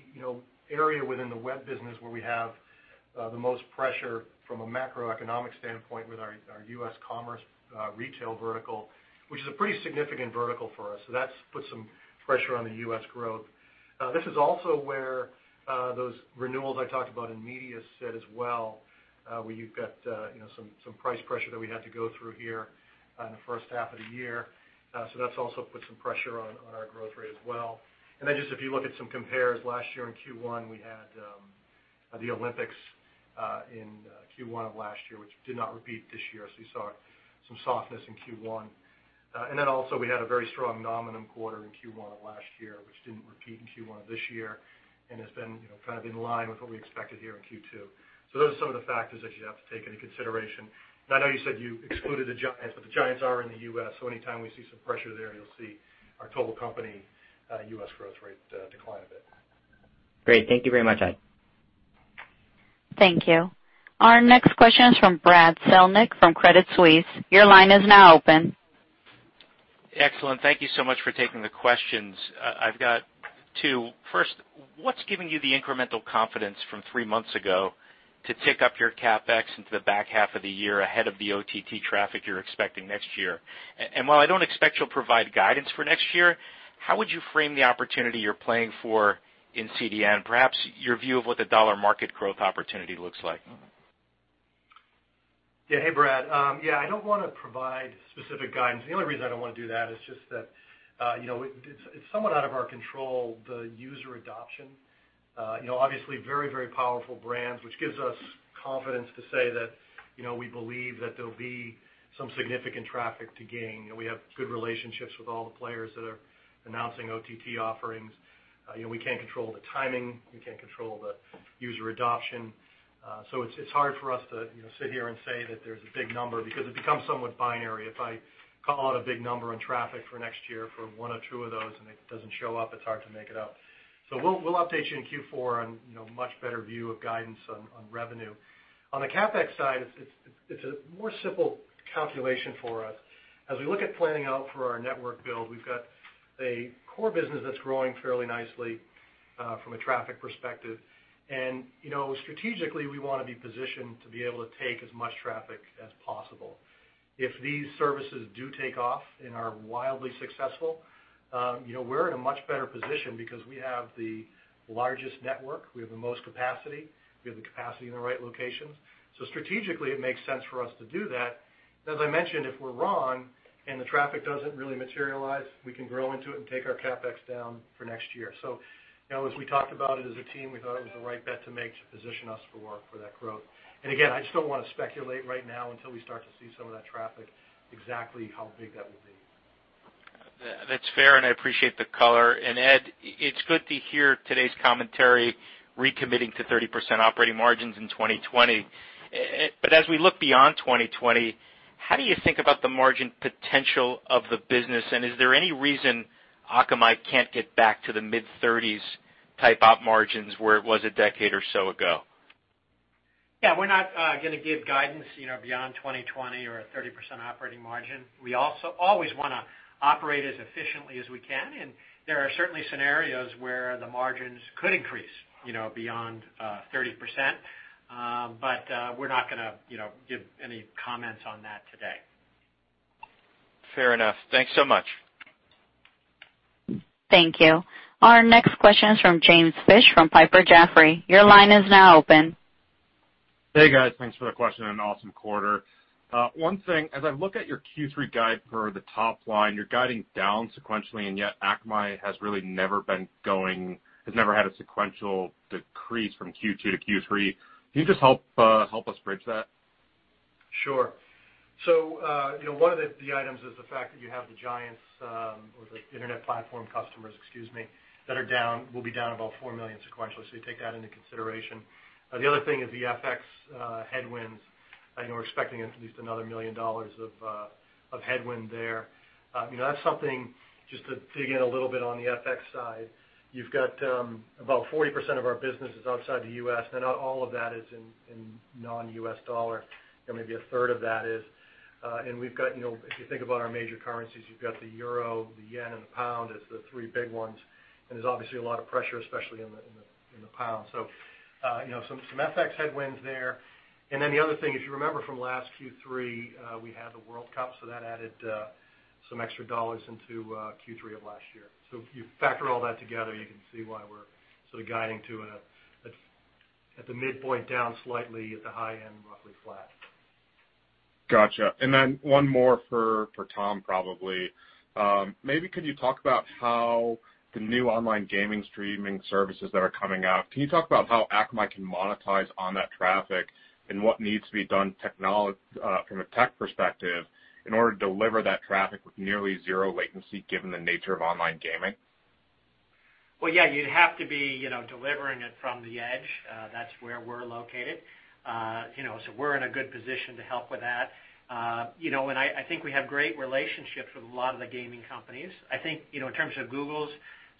area within the web business where we have the most pressure from a macroeconomic standpoint with our U.S. commerce retail vertical, which is a pretty significant vertical for us. That's put some pressure on the U.S. growth. This is also where those renewals I talked about in media sit as well, where you've got some price pressure that we had to go through here in the first half of the year. That's also put some pressure on our growth rate as well. Just if you look at some compares, last year in Q1, we had The Olympics in Q1 of last year, which did not repeat this year, so you saw some softness in Q1. Also we had a very strong nominal quarter in Q1 of last year, which didn't repeat in Q1 of this year and has been kind of in line with what we expected here in Q2. Those are some of the factors that you have to take into consideration. I know you said you excluded the Janrain, but the Janrain are in the U.S., so anytime we see some pressure there, you'll see our total company, U.S. growth rate decline a bit. Great. Thank you very much, Ed. Thank you. Our next question is from Brad Zelnick from Credit Suisse. Your line is now open. Excellent. Thank you so much for taking the questions. I've got two. First, what's giving you the incremental confidence from three months ago to tick up your CapEx into the back half of the year ahead of the OTT traffic you're expecting next year? While I don't expect you'll provide guidance for next year, how would you frame the opportunity you're playing for in CDN, perhaps your view of what the dollar market growth opportunity looks like? Yeah. Hey, Brad. I don't want to provide specific guidance. The only reason I don't want to do that is just that, it's somewhat out of our control, the user adoption. Obviously very, very powerful brands, which gives us confidence to say that we believe that there'll be some significant traffic to gain. We have good relationships with all the players that are announcing OTT offerings. We can't control the timing. We can't control the user adoption. It's hard for us to sit here and say that there's a big number because it becomes somewhat binary. If I call out a big number on traffic for next year for one or two of those and it doesn't show up, it's hard to make it up. We'll update you in Q4 on a much better view of guidance on revenue. On the CapEx side, it's a more simple calculation for us. As we look at planning out for our network build, we've got a core business that's growing fairly nicely, from a traffic perspective. Strategically, we want to be positioned to be able to take as much traffic as possible. If these services do take off and are wildly successful, we're in a much better position because we have the largest network, we have the most capacity, we have the capacity in the right locations. Strategically, it makes sense for us to do that. As I mentioned, if we're wrong and the traffic doesn't really materialize, we can grow into it and take our CapEx down for next year. As we talked about it as a team, we thought it was the right bet to make to position us for that growth. Again, I just don't want to speculate right now until we start to see some of that traffic exactly how big that will be. That's fair, and I appreciate the color. Ed, it's good to hear today's commentary recommitting to 30% operating margins in 2020. As we look beyond 2020, how do you think about the margin potential of the business, and is there any reason Akamai can't get back to the mid-30s type op margins where it was a decade or so ago? Yeah, we're not going to give guidance beyond 2020 or a 30% operating margin. We always want to operate as efficiently as we can, and there are certainly scenarios where the margins could increase beyond 30%. We're not going to give any comments on that today. Fair enough. Thanks so much. Thank you. Our next question is from James Fish from Piper Jaffray. Your line is now open. Hey, guys. Thanks for the question and an awesome quarter. One thing, as I look at your Q3 guide for the top line, you're guiding down sequentially, Akamai has never had a sequential decrease from Q2 to Q3. Can you just help us bridge that? Sure. One of the items is the fact that you have the Giants, or the internet platform customers, excuse me, that will be down about $4 million sequentially. The other thing is the FX headwinds. I know we're expecting at least another $1 million of headwind there. That's something just to dig in a little bit on the FX side. You've got about 40% of our business is outside the U.S., now not all of that is in non-U.S. dollar. Maybe a third of that is. If you think about our major currencies, you've got the euro, the yen, and the pound as the three big ones, and there's obviously a lot of pressure, especially in the pound. Some FX headwinds there. The other thing, if you remember from last Q3, we had the Cricket World Cup, so that added some extra dollars into Q3 of last year. If you factor all that together, you can see why we're sort of guiding to at the midpoint down slightly at the high end, roughly flat. Got you. Then one more for Tom, probably. Maybe could you talk about how the new online gaming streaming services that are coming out, can you talk about how Akamai can monetize on that traffic and what needs to be done from a tech perspective in order to deliver that traffic with nearly zero latency given the nature of online gaming? Well, yeah, you'd have to be delivering it from the edge. That's where we're located. We're in a good position to help with that. I think we have great relationships with a lot of the gaming companies. I think, in terms of Google's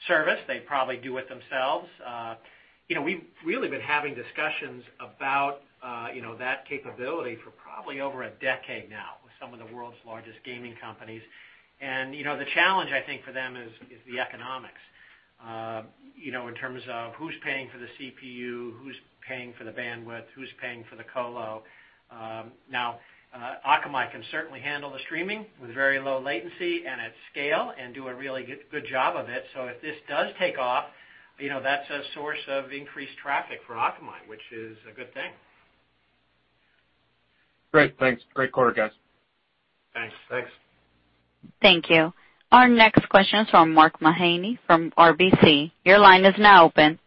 service, they probably do it themselves. We've really been having discussions about that capability for probably over a decade now with some of the world's largest gaming companies. The challenge I think for them is the economics. In terms of who's paying for the CPU, who's paying for the bandwidth, who's paying for the colo. Akamai can certainly handle the streaming with very low latency and at scale and do a really good job of it. If this does take off, that's a source of increased traffic for Akamai, which is a good thing. Great. Thanks. Great quarter, guys. Thanks. Thanks. Thank you. Our next question is from Mark Mahaney from RBC. Your line is now open.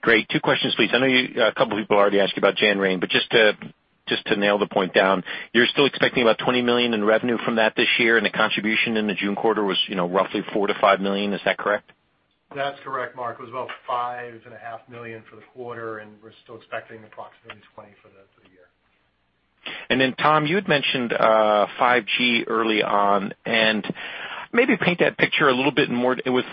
Great. Two questions, please. I know a couple people already asked you about Janrain, but just to nail the point down, you're still expecting about $20 million in revenue from that this year, and the contribution in the June quarter was roughly $4 million-$5 million, is that correct? That's correct, Mark. It was about $5.5 million for the quarter, and we're still expecting approximately $20 million for the year. Tom, you had mentioned 5G early on, and maybe paint that picture with a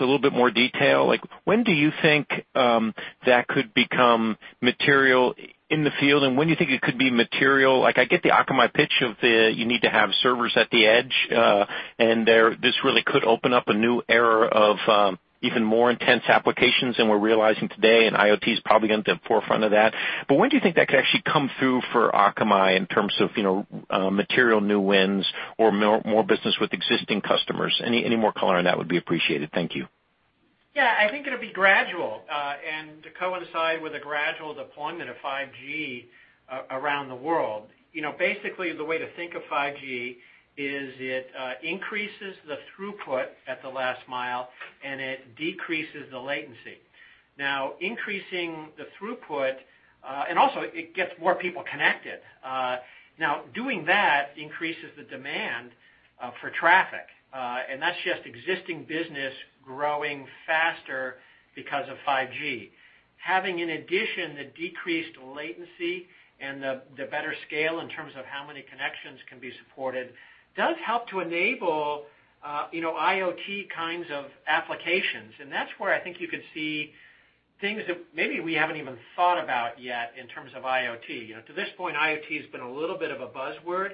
little bit more detail. When do you think that could become material in the field, and when do you think it could be material? I get the Akamai pitch of you need to have servers at the edge, and this really could open up a new era of even more intense applications than we're realizing today, and IoT is probably going to be at the forefront of that. When do you think that could actually come through for Akamai in terms of material new wins or more business with existing customers? Any more color on that would be appreciated. Thank you. Yeah, I think it'll be gradual, to coincide with the gradual deployment of 5G around the world. Basically, the way to think of 5G is it increases the throughput at the last mile, it decreases the latency. Now, increasing the throughput, also it gets more people connected. Now, doing that increases the demand for traffic, that's just existing business growing faster because of 5G. Having, in addition, the decreased latency and the better scale in terms of how many connections can be supported does help to enable IoT kinds of applications, that's where I think you could see things that maybe we haven't even thought about yet in terms of IoT. To this point, IoT has been a little bit of a buzzword,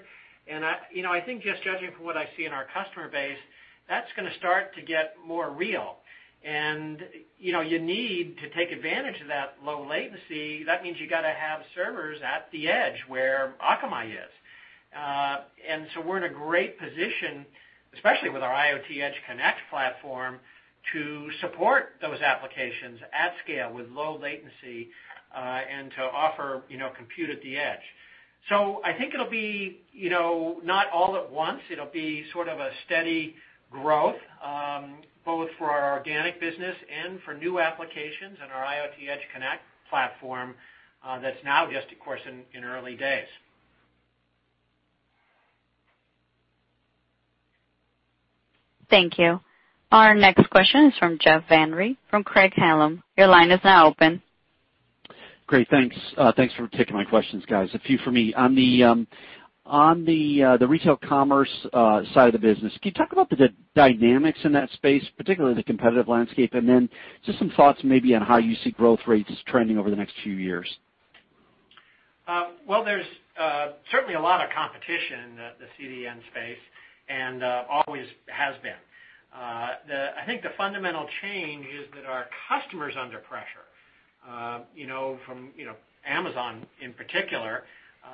I think just judging from what I see in our customer base, that's going to start to get more real. You need to take advantage of that low latency. That means you got to have servers at the edge where Akamai is. We're in a great position, especially with our IoT Edge Connect platform, to support those applications at scale with low latency, and to offer compute at the edge. I think it'll be not all at once. It'll be sort of a steady growth, both for our organic business and for new applications and our IoT Edge Connect platform, that's now just, of course, in early days. Thank you. Our next question is from Jeff Van Rhee from Craig-Hallum. Your line is now open. Great. Thanks for taking my questions, guys. A few for me. On the retail commerce side of the business, can you talk about the dynamics in that space, particularly the competitive landscape, and then just some thoughts maybe on how you see growth rates trending over the next few years? Well, there's certainly a lot of competition in the CDN space, and always has been. I think the fundamental change is that our customer is under pressure, from Amazon in particular,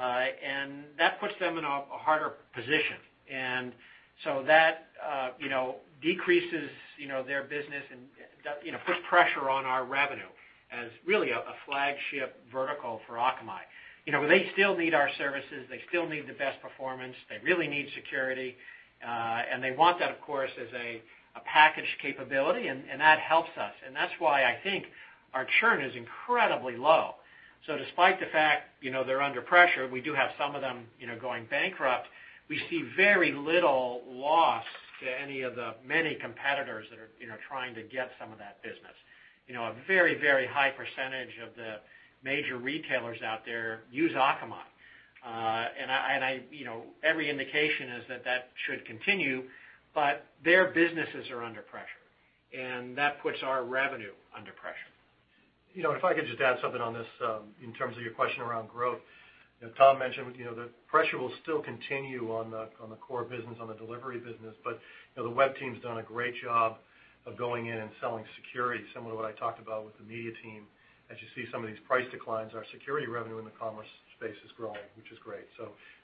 and that puts them in a harder position. That decreases their business and puts pressure on our revenue as really a flagship vertical for Akamai. They still need our services, they still need the best performance, they really need security, and they want that, of course, as a packaged capability, and that helps us. That's why I think our churn is incredibly low. Despite the fact they're under pressure, we do have some of them going bankrupt, we see very little loss to any of the many competitors that are trying to get some of that business. A very high percentage of the major retailers out there use Akamai. Every indication is that that should continue, but their businesses are under pressure, and that puts our revenue under pressure. If I could just add something on this in terms of your question around growth. As Tom mentioned, the pressure will still continue on the core business, on the delivery business, but the web team's done a great job of going in and selling security, similar to what I talked about with the media team. As you see some of these price declines, our security revenue in the commerce space is growing, which is great.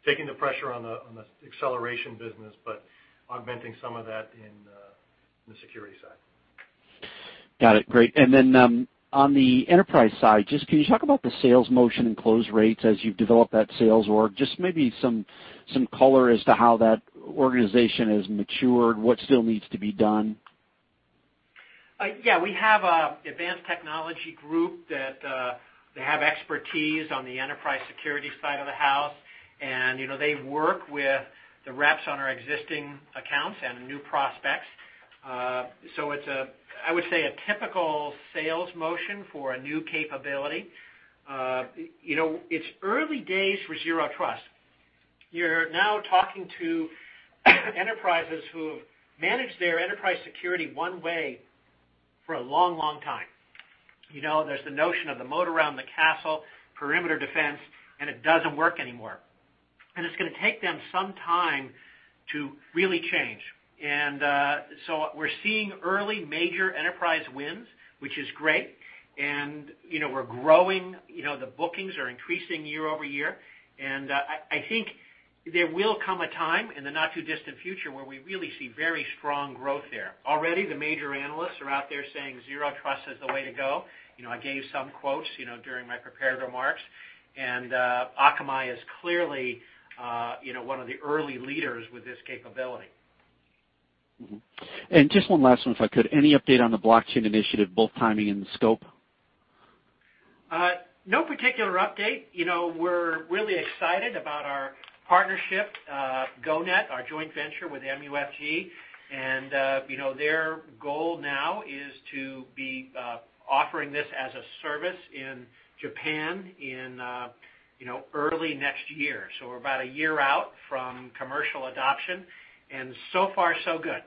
Taking the pressure on the acceleration business but augmenting some of that in the security side. Got it. Great. On the enterprise side, can you talk about the sales motion and close rates as you've developed that sales org? Maybe some color as to how that organization has matured, what still needs to be done. We have an advanced technology group that they have expertise on the enterprise security side of the house, and they work with the reps on our existing accounts and new prospects. It's, I would say, a typical sales motion for a new capability. It's early days for zero trust. You're now talking to enterprises who have managed their enterprise security one way for a long time. There's the notion of the moat around the castle, perimeter defense, it doesn't work anymore. It's going to take them some time to really change. We're seeing early major enterprise wins, which is great, and we're growing. The bookings are increasing year-over-year, I think there will come a time in the not-too-distant future where we really see very strong growth there. Already, the major analysts are out there saying zero trust is the way to go. I gave some quotes during my prepared remarks, and Akamai is clearly one of the early leaders with this capability. Just one last one, if I could. Any update on the blockchain initiative, both timing and scope? No particular update. We're really excited about our partnership, GO-NET, our joint venture with MUFG. Their goal now is to be offering this as a service in Japan in early next year. We're about a year out from commercial adoption, and so far, so good.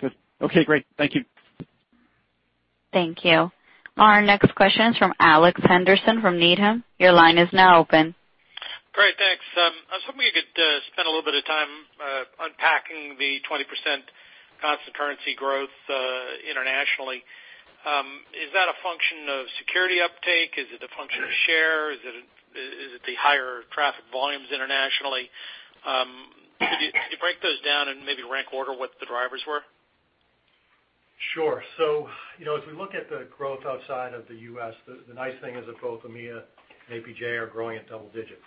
Good. Okay, great. Thank you. Thank you. Our next question is from Alex Henderson from Needham. Your line is now open. Great, thanks. I was hoping you could spend a little bit of time unpacking the 20% constant currency growth internationally. Is that a function of security uptake? Is it a function of share? Is it the higher traffic volumes internationally? Could you break those down and maybe rank order what the drivers were? Sure. As we look at the growth outside of the U.S., the nice thing is that both EMEA and APJ are growing at double digits.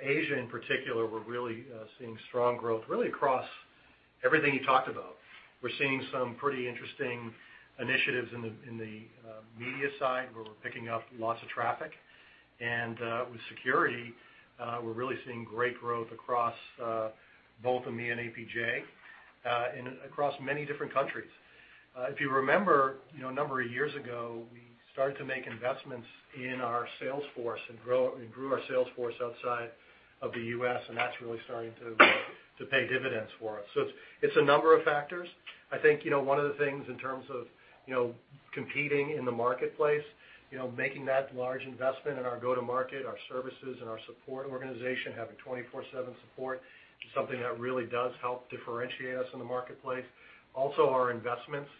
Asia in particular, we're really seeing strong growth really across everything you talked about. We're seeing some pretty interesting initiatives in the media side where we're picking up lots of traffic. With security, we're really seeing great growth across both EMEA and APJ, and across many different countries. If you remember, a number of years ago, we started to make investments in our sales force and grew our sales force outside of the U.S., and that's really starting to pay dividends for us. It's a number of factors. I think, one of the things in terms of competing in the marketplace, making that large investment in our go-to-market, our services, and our support organization, having 24/7 support, is something that really does help differentiate us in the marketplace. Also, our investments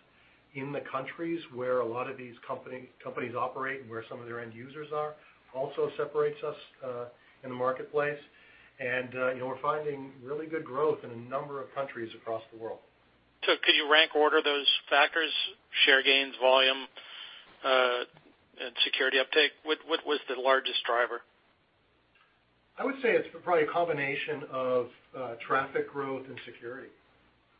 in the countries where a lot of these companies operate and where some of their end users are, also separates us in the marketplace. We're finding really good growth in a number of countries across the world. Could you rank order those factors, share gains, volume, and security uptake? What was the largest driver? I would say it's probably a combination of traffic growth and security.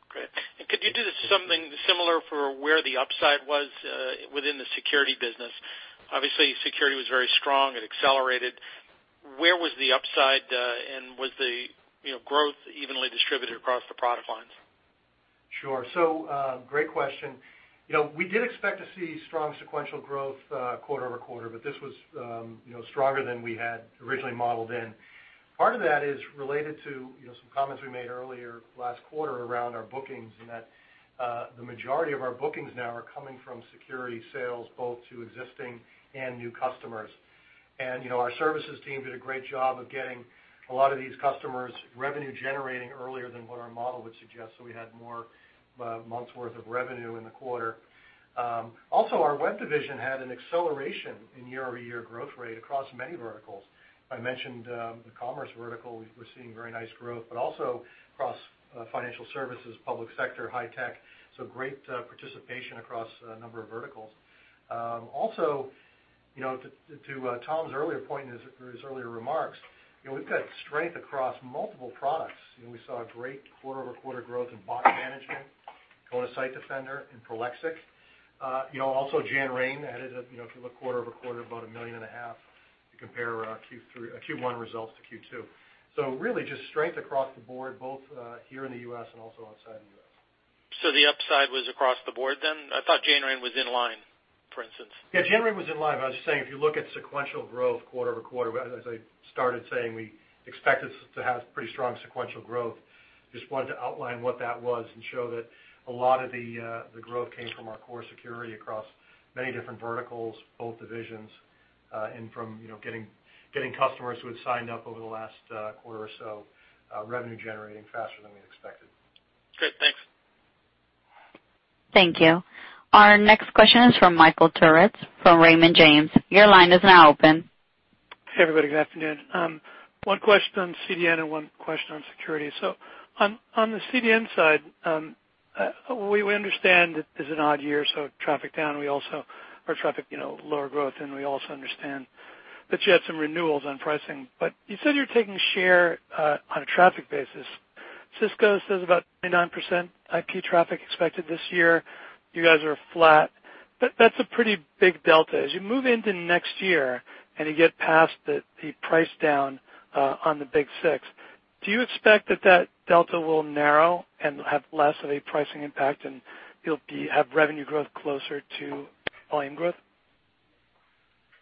Great. Could you do something similar for where the upside was within the security business? Obviously, security was very strong. It accelerated. Where was the upside? Was the growth evenly distributed across the product lines? Sure. Great question. We did expect to see strong sequential growth quarter-over-quarter, but this was stronger than we had originally modeled in. Part of that is related to some comments we made earlier last quarter around our bookings and that the majority of our bookings now are coming from security sales, both to existing and new customers. Our services team did a great job of getting a lot of these customers' revenue generating earlier than what our model would suggest, so we had more months' worth of revenue in the quarter. Also, our web division had an acceleration in year-over-year growth rate across many verticals. I mentioned the commerce vertical, we're seeing very nice growth, but also across financial services, public sector, high tech. Great participation across a number of verticals. To Tom's earlier point in his earlier remarks, we've got strength across multiple products. We saw great quarter-over-quarter growth in Bot Manager, Kona Site Defender, and Prolexic. Janrain added, if you look quarter-over-quarter, about $1.5 million to compare our Q1 results to Q2. Really just strength across the board, both here in the U.S. and also outside the U.S. The upside was across the board then? I thought Janrain was in line, for instance. Yeah, Janrain was in line. I was just saying, if you look at sequential growth quarter-over-quarter, as I started saying, we expected to have pretty strong sequential growth. Just wanted to outline what that was and show that a lot of the growth came from our core security across many different verticals, both divisions, and from getting customers who had signed up over the last quarter or so, revenue generating faster than we expected. Good. Thanks. Thank you. Our next question is from Michael Turits from Raymond James. Your line is now open. Hey, everybody. Good afternoon. One question on CDN and one question on security. On the CDN side, we understand it is an odd year, so traffic down. We also are traffic lower growth, and we also understand that you had some renewals on pricing. You said you're taking share on a traffic basis. Cisco says about 29% IP traffic expected this year. You guys are flat. That's a pretty big delta. As you move into next year and you get past the price down on the big six, do you expect that that delta will narrow and have less of a pricing impact, and you'll have revenue growth closer to volume growth?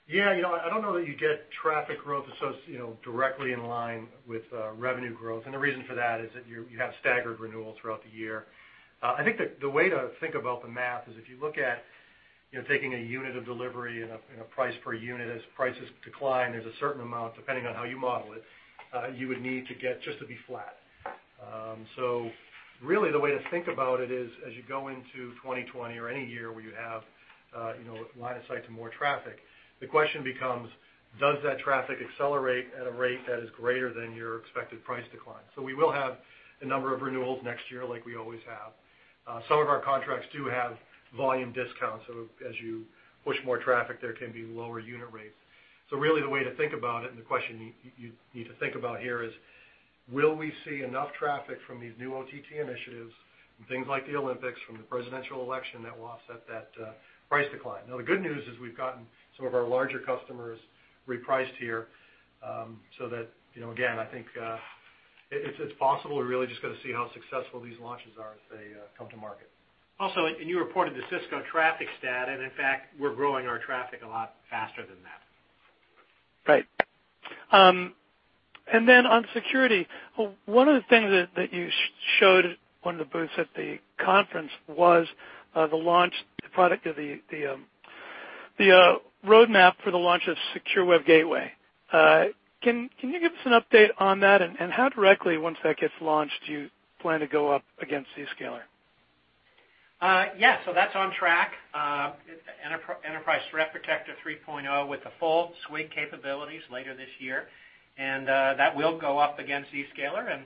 Yeah, I don't know that you get traffic growth directly in line with revenue growth. The reason for that is that you have staggered renewals throughout the year. I think the way to think about the math is if you look at taking a unit of delivery and a price per unit, as prices decline, there's a certain amount, depending on how you model it, you would need to get just to be flat. Really the way to think about it is as you go into 2020 or any year where you have line of sight to more traffic, the question becomes, does that traffic accelerate at a rate that is greater than your expected price decline? We will have a number of renewals next year like we always have. Some of our contracts do have volume discounts, so as you push more traffic, there can be lower unit rates. Really the way to think about it and the question you need to think about here is, will we see enough traffic from these new OTT initiatives and things like the Olympics, from the presidential election that will offset that price decline? The good news is we've gotten some of our larger customers repriced here, so that again, I think, it's possible. We're really just going to see how successful these launches are as they come to market. You reported the Cisco traffic stat, in fact, we're growing our traffic a lot faster than that. Great. Then on security, one of the things that you showed on the booths at the conference was the launch, the product of the roadmap for the launch of Secure Web Gateway. Can you give us an update on that? How directly, once that gets launched, do you plan to go up against Zscaler? Yeah. That's on track. Enterprise Threat Protector 3.0 with the full suite capabilities later this year, that will go up against Zscaler.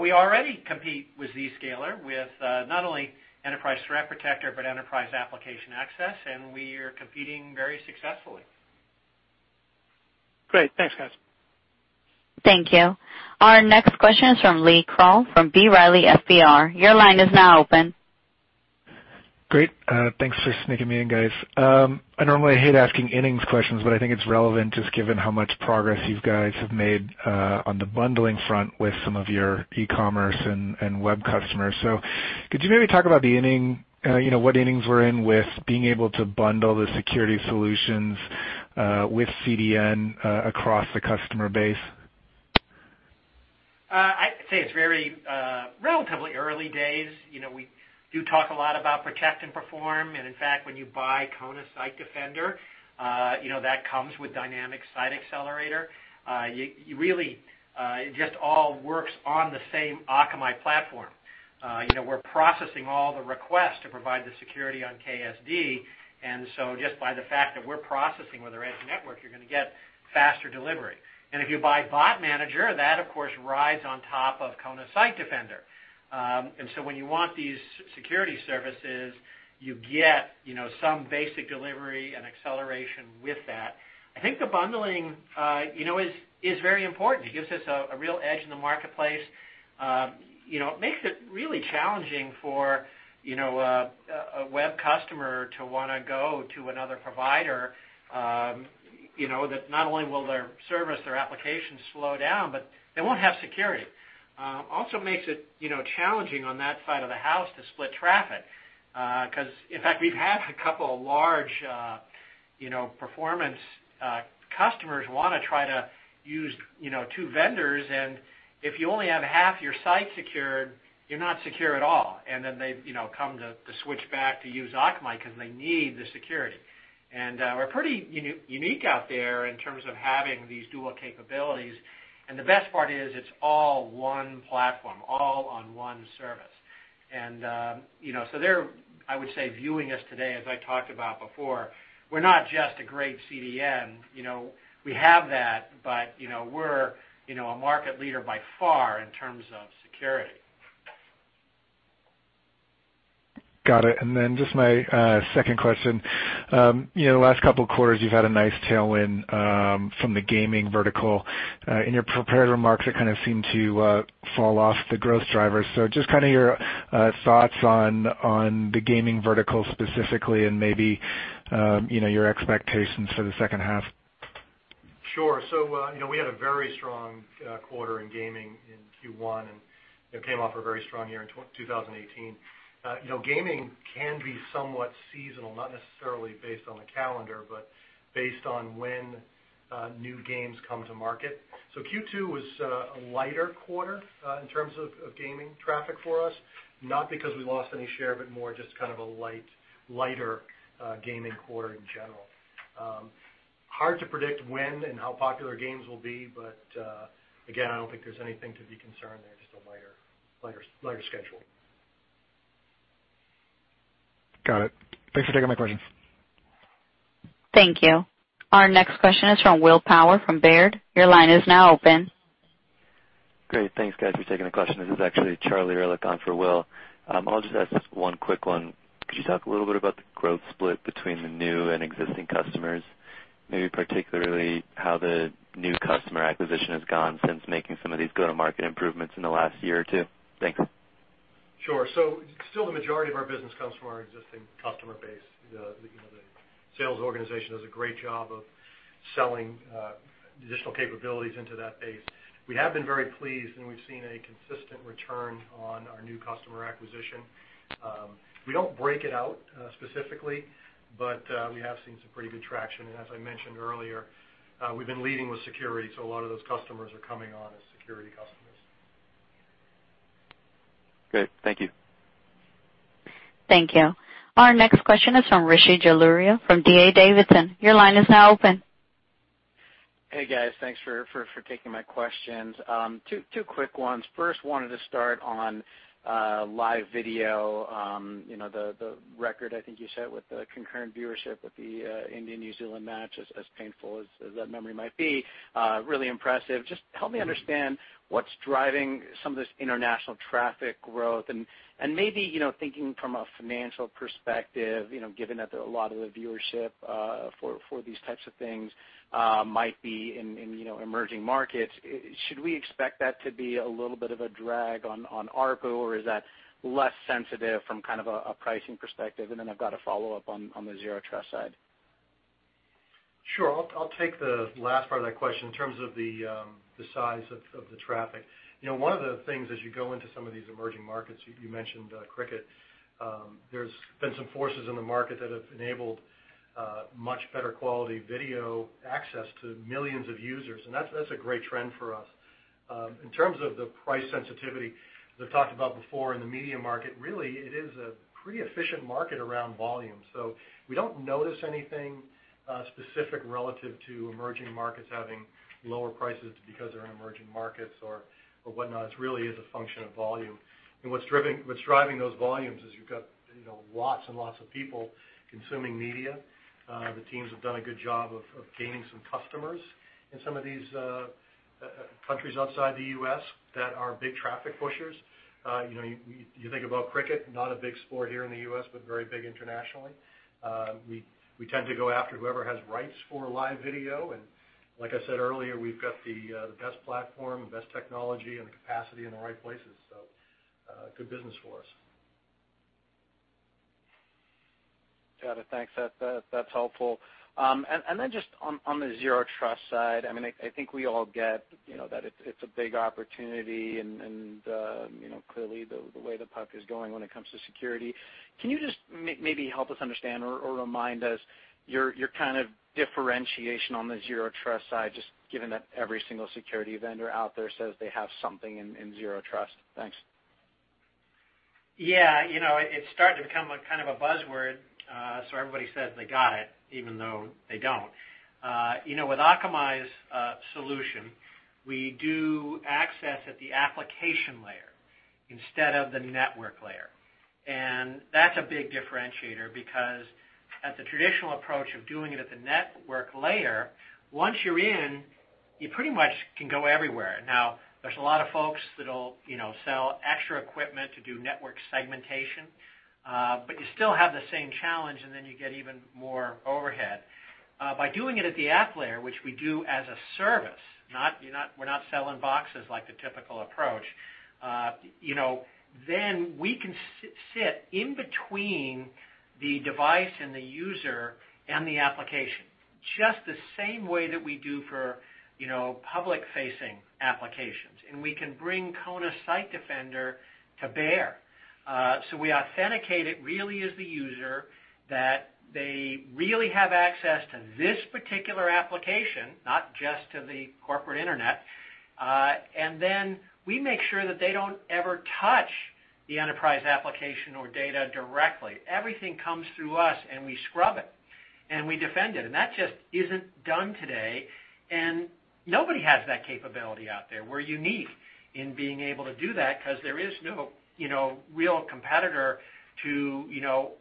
We already compete with Zscaler, with not only Enterprise Threat Protector but Enterprise Application Access, and we are competing very successfully. Great. Thanks, guys. Thank you. Our next question is from Lee Krowl from B. Riley FBR. Your line is now open. Great. Thanks for sneaking me in, guys. I normally hate asking innings questions, but I think it's relevant just given how much progress you guys have made on the bundling front with some of your e-commerce and web customers. Could you maybe talk about what innings we're in with being able to bundle the security solutions with CDN across the customer base? I'd say it's very relatively early days. We do talk a lot about protect and perform, in fact, when you buy Kona Site Defender, that comes with Dynamic Site Accelerator. It just all works on the same Akamai platform. We're processing all the requests to provide the security on KSD, and so just by the fact that we're processing with our edge network, you're going to get faster delivery. If you buy Bot Manager, that of course, rides on top of Kona Site Defender. So when you want these security services, you get some basic delivery and acceleration with that. I think the bundling is very important. It gives us a real edge in the marketplace. It makes it really challenging for a web customer to want to go to another provider, that not only will their service, their applications slow down, but they won't have security. Also makes it challenging on that side of the house to split traffic, because, in fact, we've had a couple of large performance customers want to try to use two vendors, and if you only have 1/2 your site secured, you're not secure at all. They've come to switch back to use Akamai because they need the security. We're pretty unique out there in terms of having these dual capabilities, and the best part is it's all one platform, all on one service. There, I would say, viewing us today as I talked about before, we're not just a great CDN. We have that, but we're a market leader by far in terms of security. Got it. Just my second question. Last couple of quarters, you've had a nice tailwind from the gaming vertical. In your prepared remarks, it kind of seemed to fall off the growth drivers. Just your thoughts on the gaming vertical specifically and maybe your expectations for the second half. Sure. We had a very strong quarter in gaming in Q1, and came off a very strong year in 2018. Gaming can be somewhat seasonal, not necessarily based on the calendar, but based on when new games come to market. Q2 was a lighter quarter in terms of gaming traffic for us, not because we lost any share, but more just kind of a lighter gaming quarter in general. Hard to predict when and how popular games will be, but again, I don't think there's anything to be concerned there, just a lighter schedule. Got it. Thanks for taking my questions. Thank you. Our next question is from Will Power from Baird. Your line is now open. Great. Thanks, guys, for taking the question. This is actually Charlie Erlikh on for Will. I'll just ask just one quick one. Could you talk a little bit about the growth split between the new and existing customers? Maybe particularly how the new customer acquisition has gone since making some of these go-to-market improvements in the last year or two? Thanks. Sure. Still the majority of our business comes from our existing customer base. The sales organization does a great job of selling additional capabilities into that base. We have been very pleased, and we've seen a consistent return on our new customer acquisition. We don't break it out specifically, but we have seen some pretty good traction. As I mentioned earlier, we've been leading with security, so a lot of those customers are coming on as security customers. Great. Thank you. Thank you. Our next question is from Rishi Jaluria from D.A. Davidson. Your line is now open. Hey, guys. Thanks for taking my questions. Two quick ones. Wanted to start on live video. The record, I think you said, with the concurrent viewership with the India and New Zealand match, as painful as that memory might be, really impressive. Just help me understand what's driving some of this international traffic growth and maybe, thinking from a financial perspective, given that a lot of the viewership, for these types of things might be in emerging markets, should we expect that to be a little bit of a drag on ARPU, or is that less sensitive from a pricing perspective? I've got a follow-up on the Zero Trust side. Sure. I'll take the last part of that question in terms of the size of the traffic. One of the things as you go into some of these emerging markets, you mentioned Cricket, there's been some forces in the market that have enabled much better-quality video access to millions of users, and that's a great trend for us. In terms of the price sensitivity, as I've talked about before in the media market, really, it is a pretty efficient market around volume. We don't notice anything specific relative to emerging markets having lower prices because they're in emerging markets or whatnot. It really is a function of volume. What's driving those volumes is you've got lots and lots of people consuming media. The teams have done a good job of gaining some customers in some of these countries outside the U.S. that are big traffic pushers. You think about cricket, not a big sport here in the U.S., but very big internationally. We tend to go after whoever has rights for live video, and like I said earlier, we've got the best platform, the best technology, and the capacity in the right places, so good business for us. Got it. Thanks. That's helpful. Just on the zero-trust side, I think we all get that it's a big opportunity, and clearly the way the puck is going when it comes to security. Can you just maybe help us understand or remind us your differentiation on the zero-trust side, just given that every single security vendor out there says they have something in zero trust? Thanks. It's starting to become a kind of a buzzword. Everybody says they got it, even though they don't. With Akamai's solution, we do access at the application layer instead of the network layer. That's a big differentiator because at the traditional approach of doing it at the network layer, once you're in, you pretty much can go everywhere. Now, there's a lot of folks that'll sell extra equipment to do network segmentation, but you still have the same challenge, and then you get even more overhead. By doing it at the app layer, which we do as a service, we're not selling boxes like the typical approach, then we can sit in between the device and the user and the application, just the same way that we do for public-facing applications. We can bring Kona Site Defender to bear. We authenticate it really is the user that they really have access to this particular application, not just to the corporate intranet, then we make sure that they don't ever touch the enterprise application or data directly. Everything comes through us, we scrub it, we defend it. That just isn't done today, nobody has that capability out there. We're unique in being able to do that because there is no real competitor to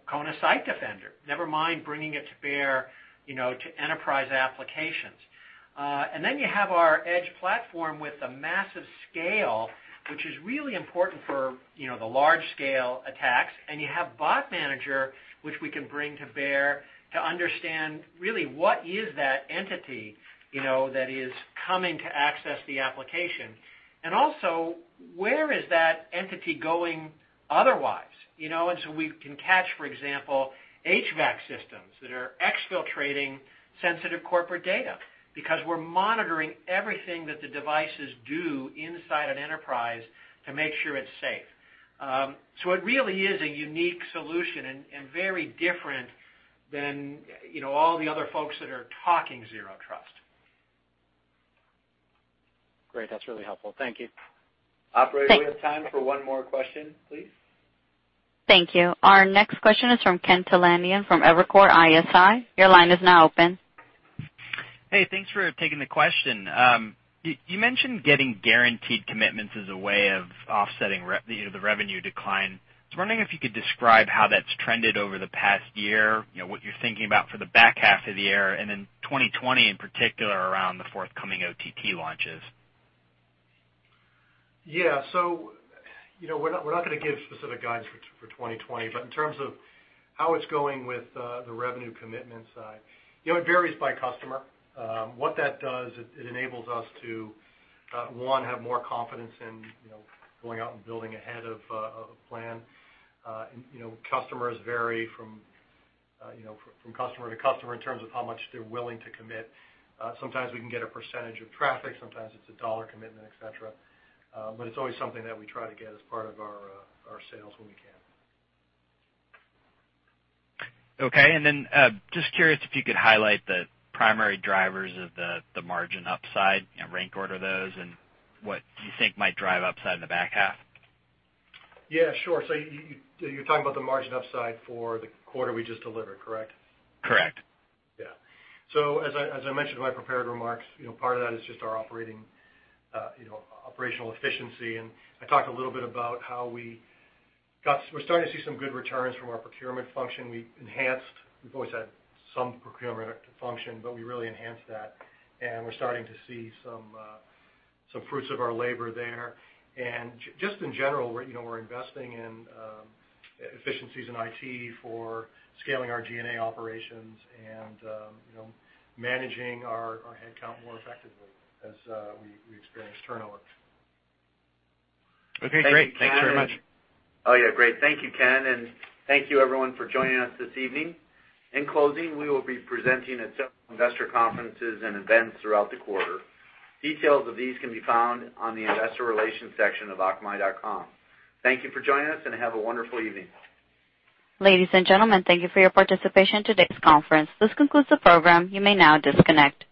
Kona Site Defender, never mind bringing it to bear to enterprise applications. Then you have our edge platform with the massive scale, which is really important for the large-scale attacks, you have Bot Manager, which we can bring to bear to understand really what is that entity that is coming to access the application. Also, where is that entity going otherwise? We can catch, for example, HVAC systems that are exfiltrating sensitive corporate data because we're monitoring everything that the devices do inside an enterprise to make sure it's safe. It really is a unique solution and very different than all the other folks that are talking zero trust. Great. That's really helpful. Thank you. Thanks. Operator, we have time for one more question, please. Thank you. Our next question is from Ken Talanian from Evercore ISI. Your line is now open. Hey, thanks for taking the question. You mentioned getting guaranteed commitments as a way of offsetting the revenue decline. I was wondering if you could describe how that's trended over the past year, what you're thinking about for the back half of the year, and then 2020 in particular around the forthcoming OTT launches. Yeah. We're not going to give specific guidance for 2020, but in terms of how it's going with the revenue commitment side, it varies by customer. What that does, it enables us to, one, have more confidence in going out and building ahead of plan. Customers vary from customer to customer in terms of how much they're willing to commit. Sometimes we can get a percentage of traffic, sometimes it's a dollar commitment, et cetera. It's always something that we try to get as part of our sales when we can. Okay. Just curious if you could highlight the primary drivers of the margin upside and rank order those and what you think might drive upside in the back half? Yeah, sure. You're talking about the margin upside for the quarter we just delivered, correct? Correct. As I mentioned in my prepared remarks, part of that is just our operational efficiency, and I talked a little bit about how we're starting to see some good returns from our procurement function. We've always had some procurement function, but we really enhanced that, and we're starting to see some fruits of our labor there. Just in general, we're investing in efficiencies in IT for scaling our G&A operations and managing our headcount more effectively as we experience turnover. Okay, great. Thanks very much. Oh, yeah. Great. Thank you, Ken, and thank you everyone for joining us this evening. In closing, we will be presenting at several investor conferences and events throughout the quarter. Details of these can be found on the investor relations section of akamai.com. Thank you for joining us and have a wonderful evening. Ladies and gentlemen, thank you for your participation in today's conference. This concludes the program. You may now disconnect.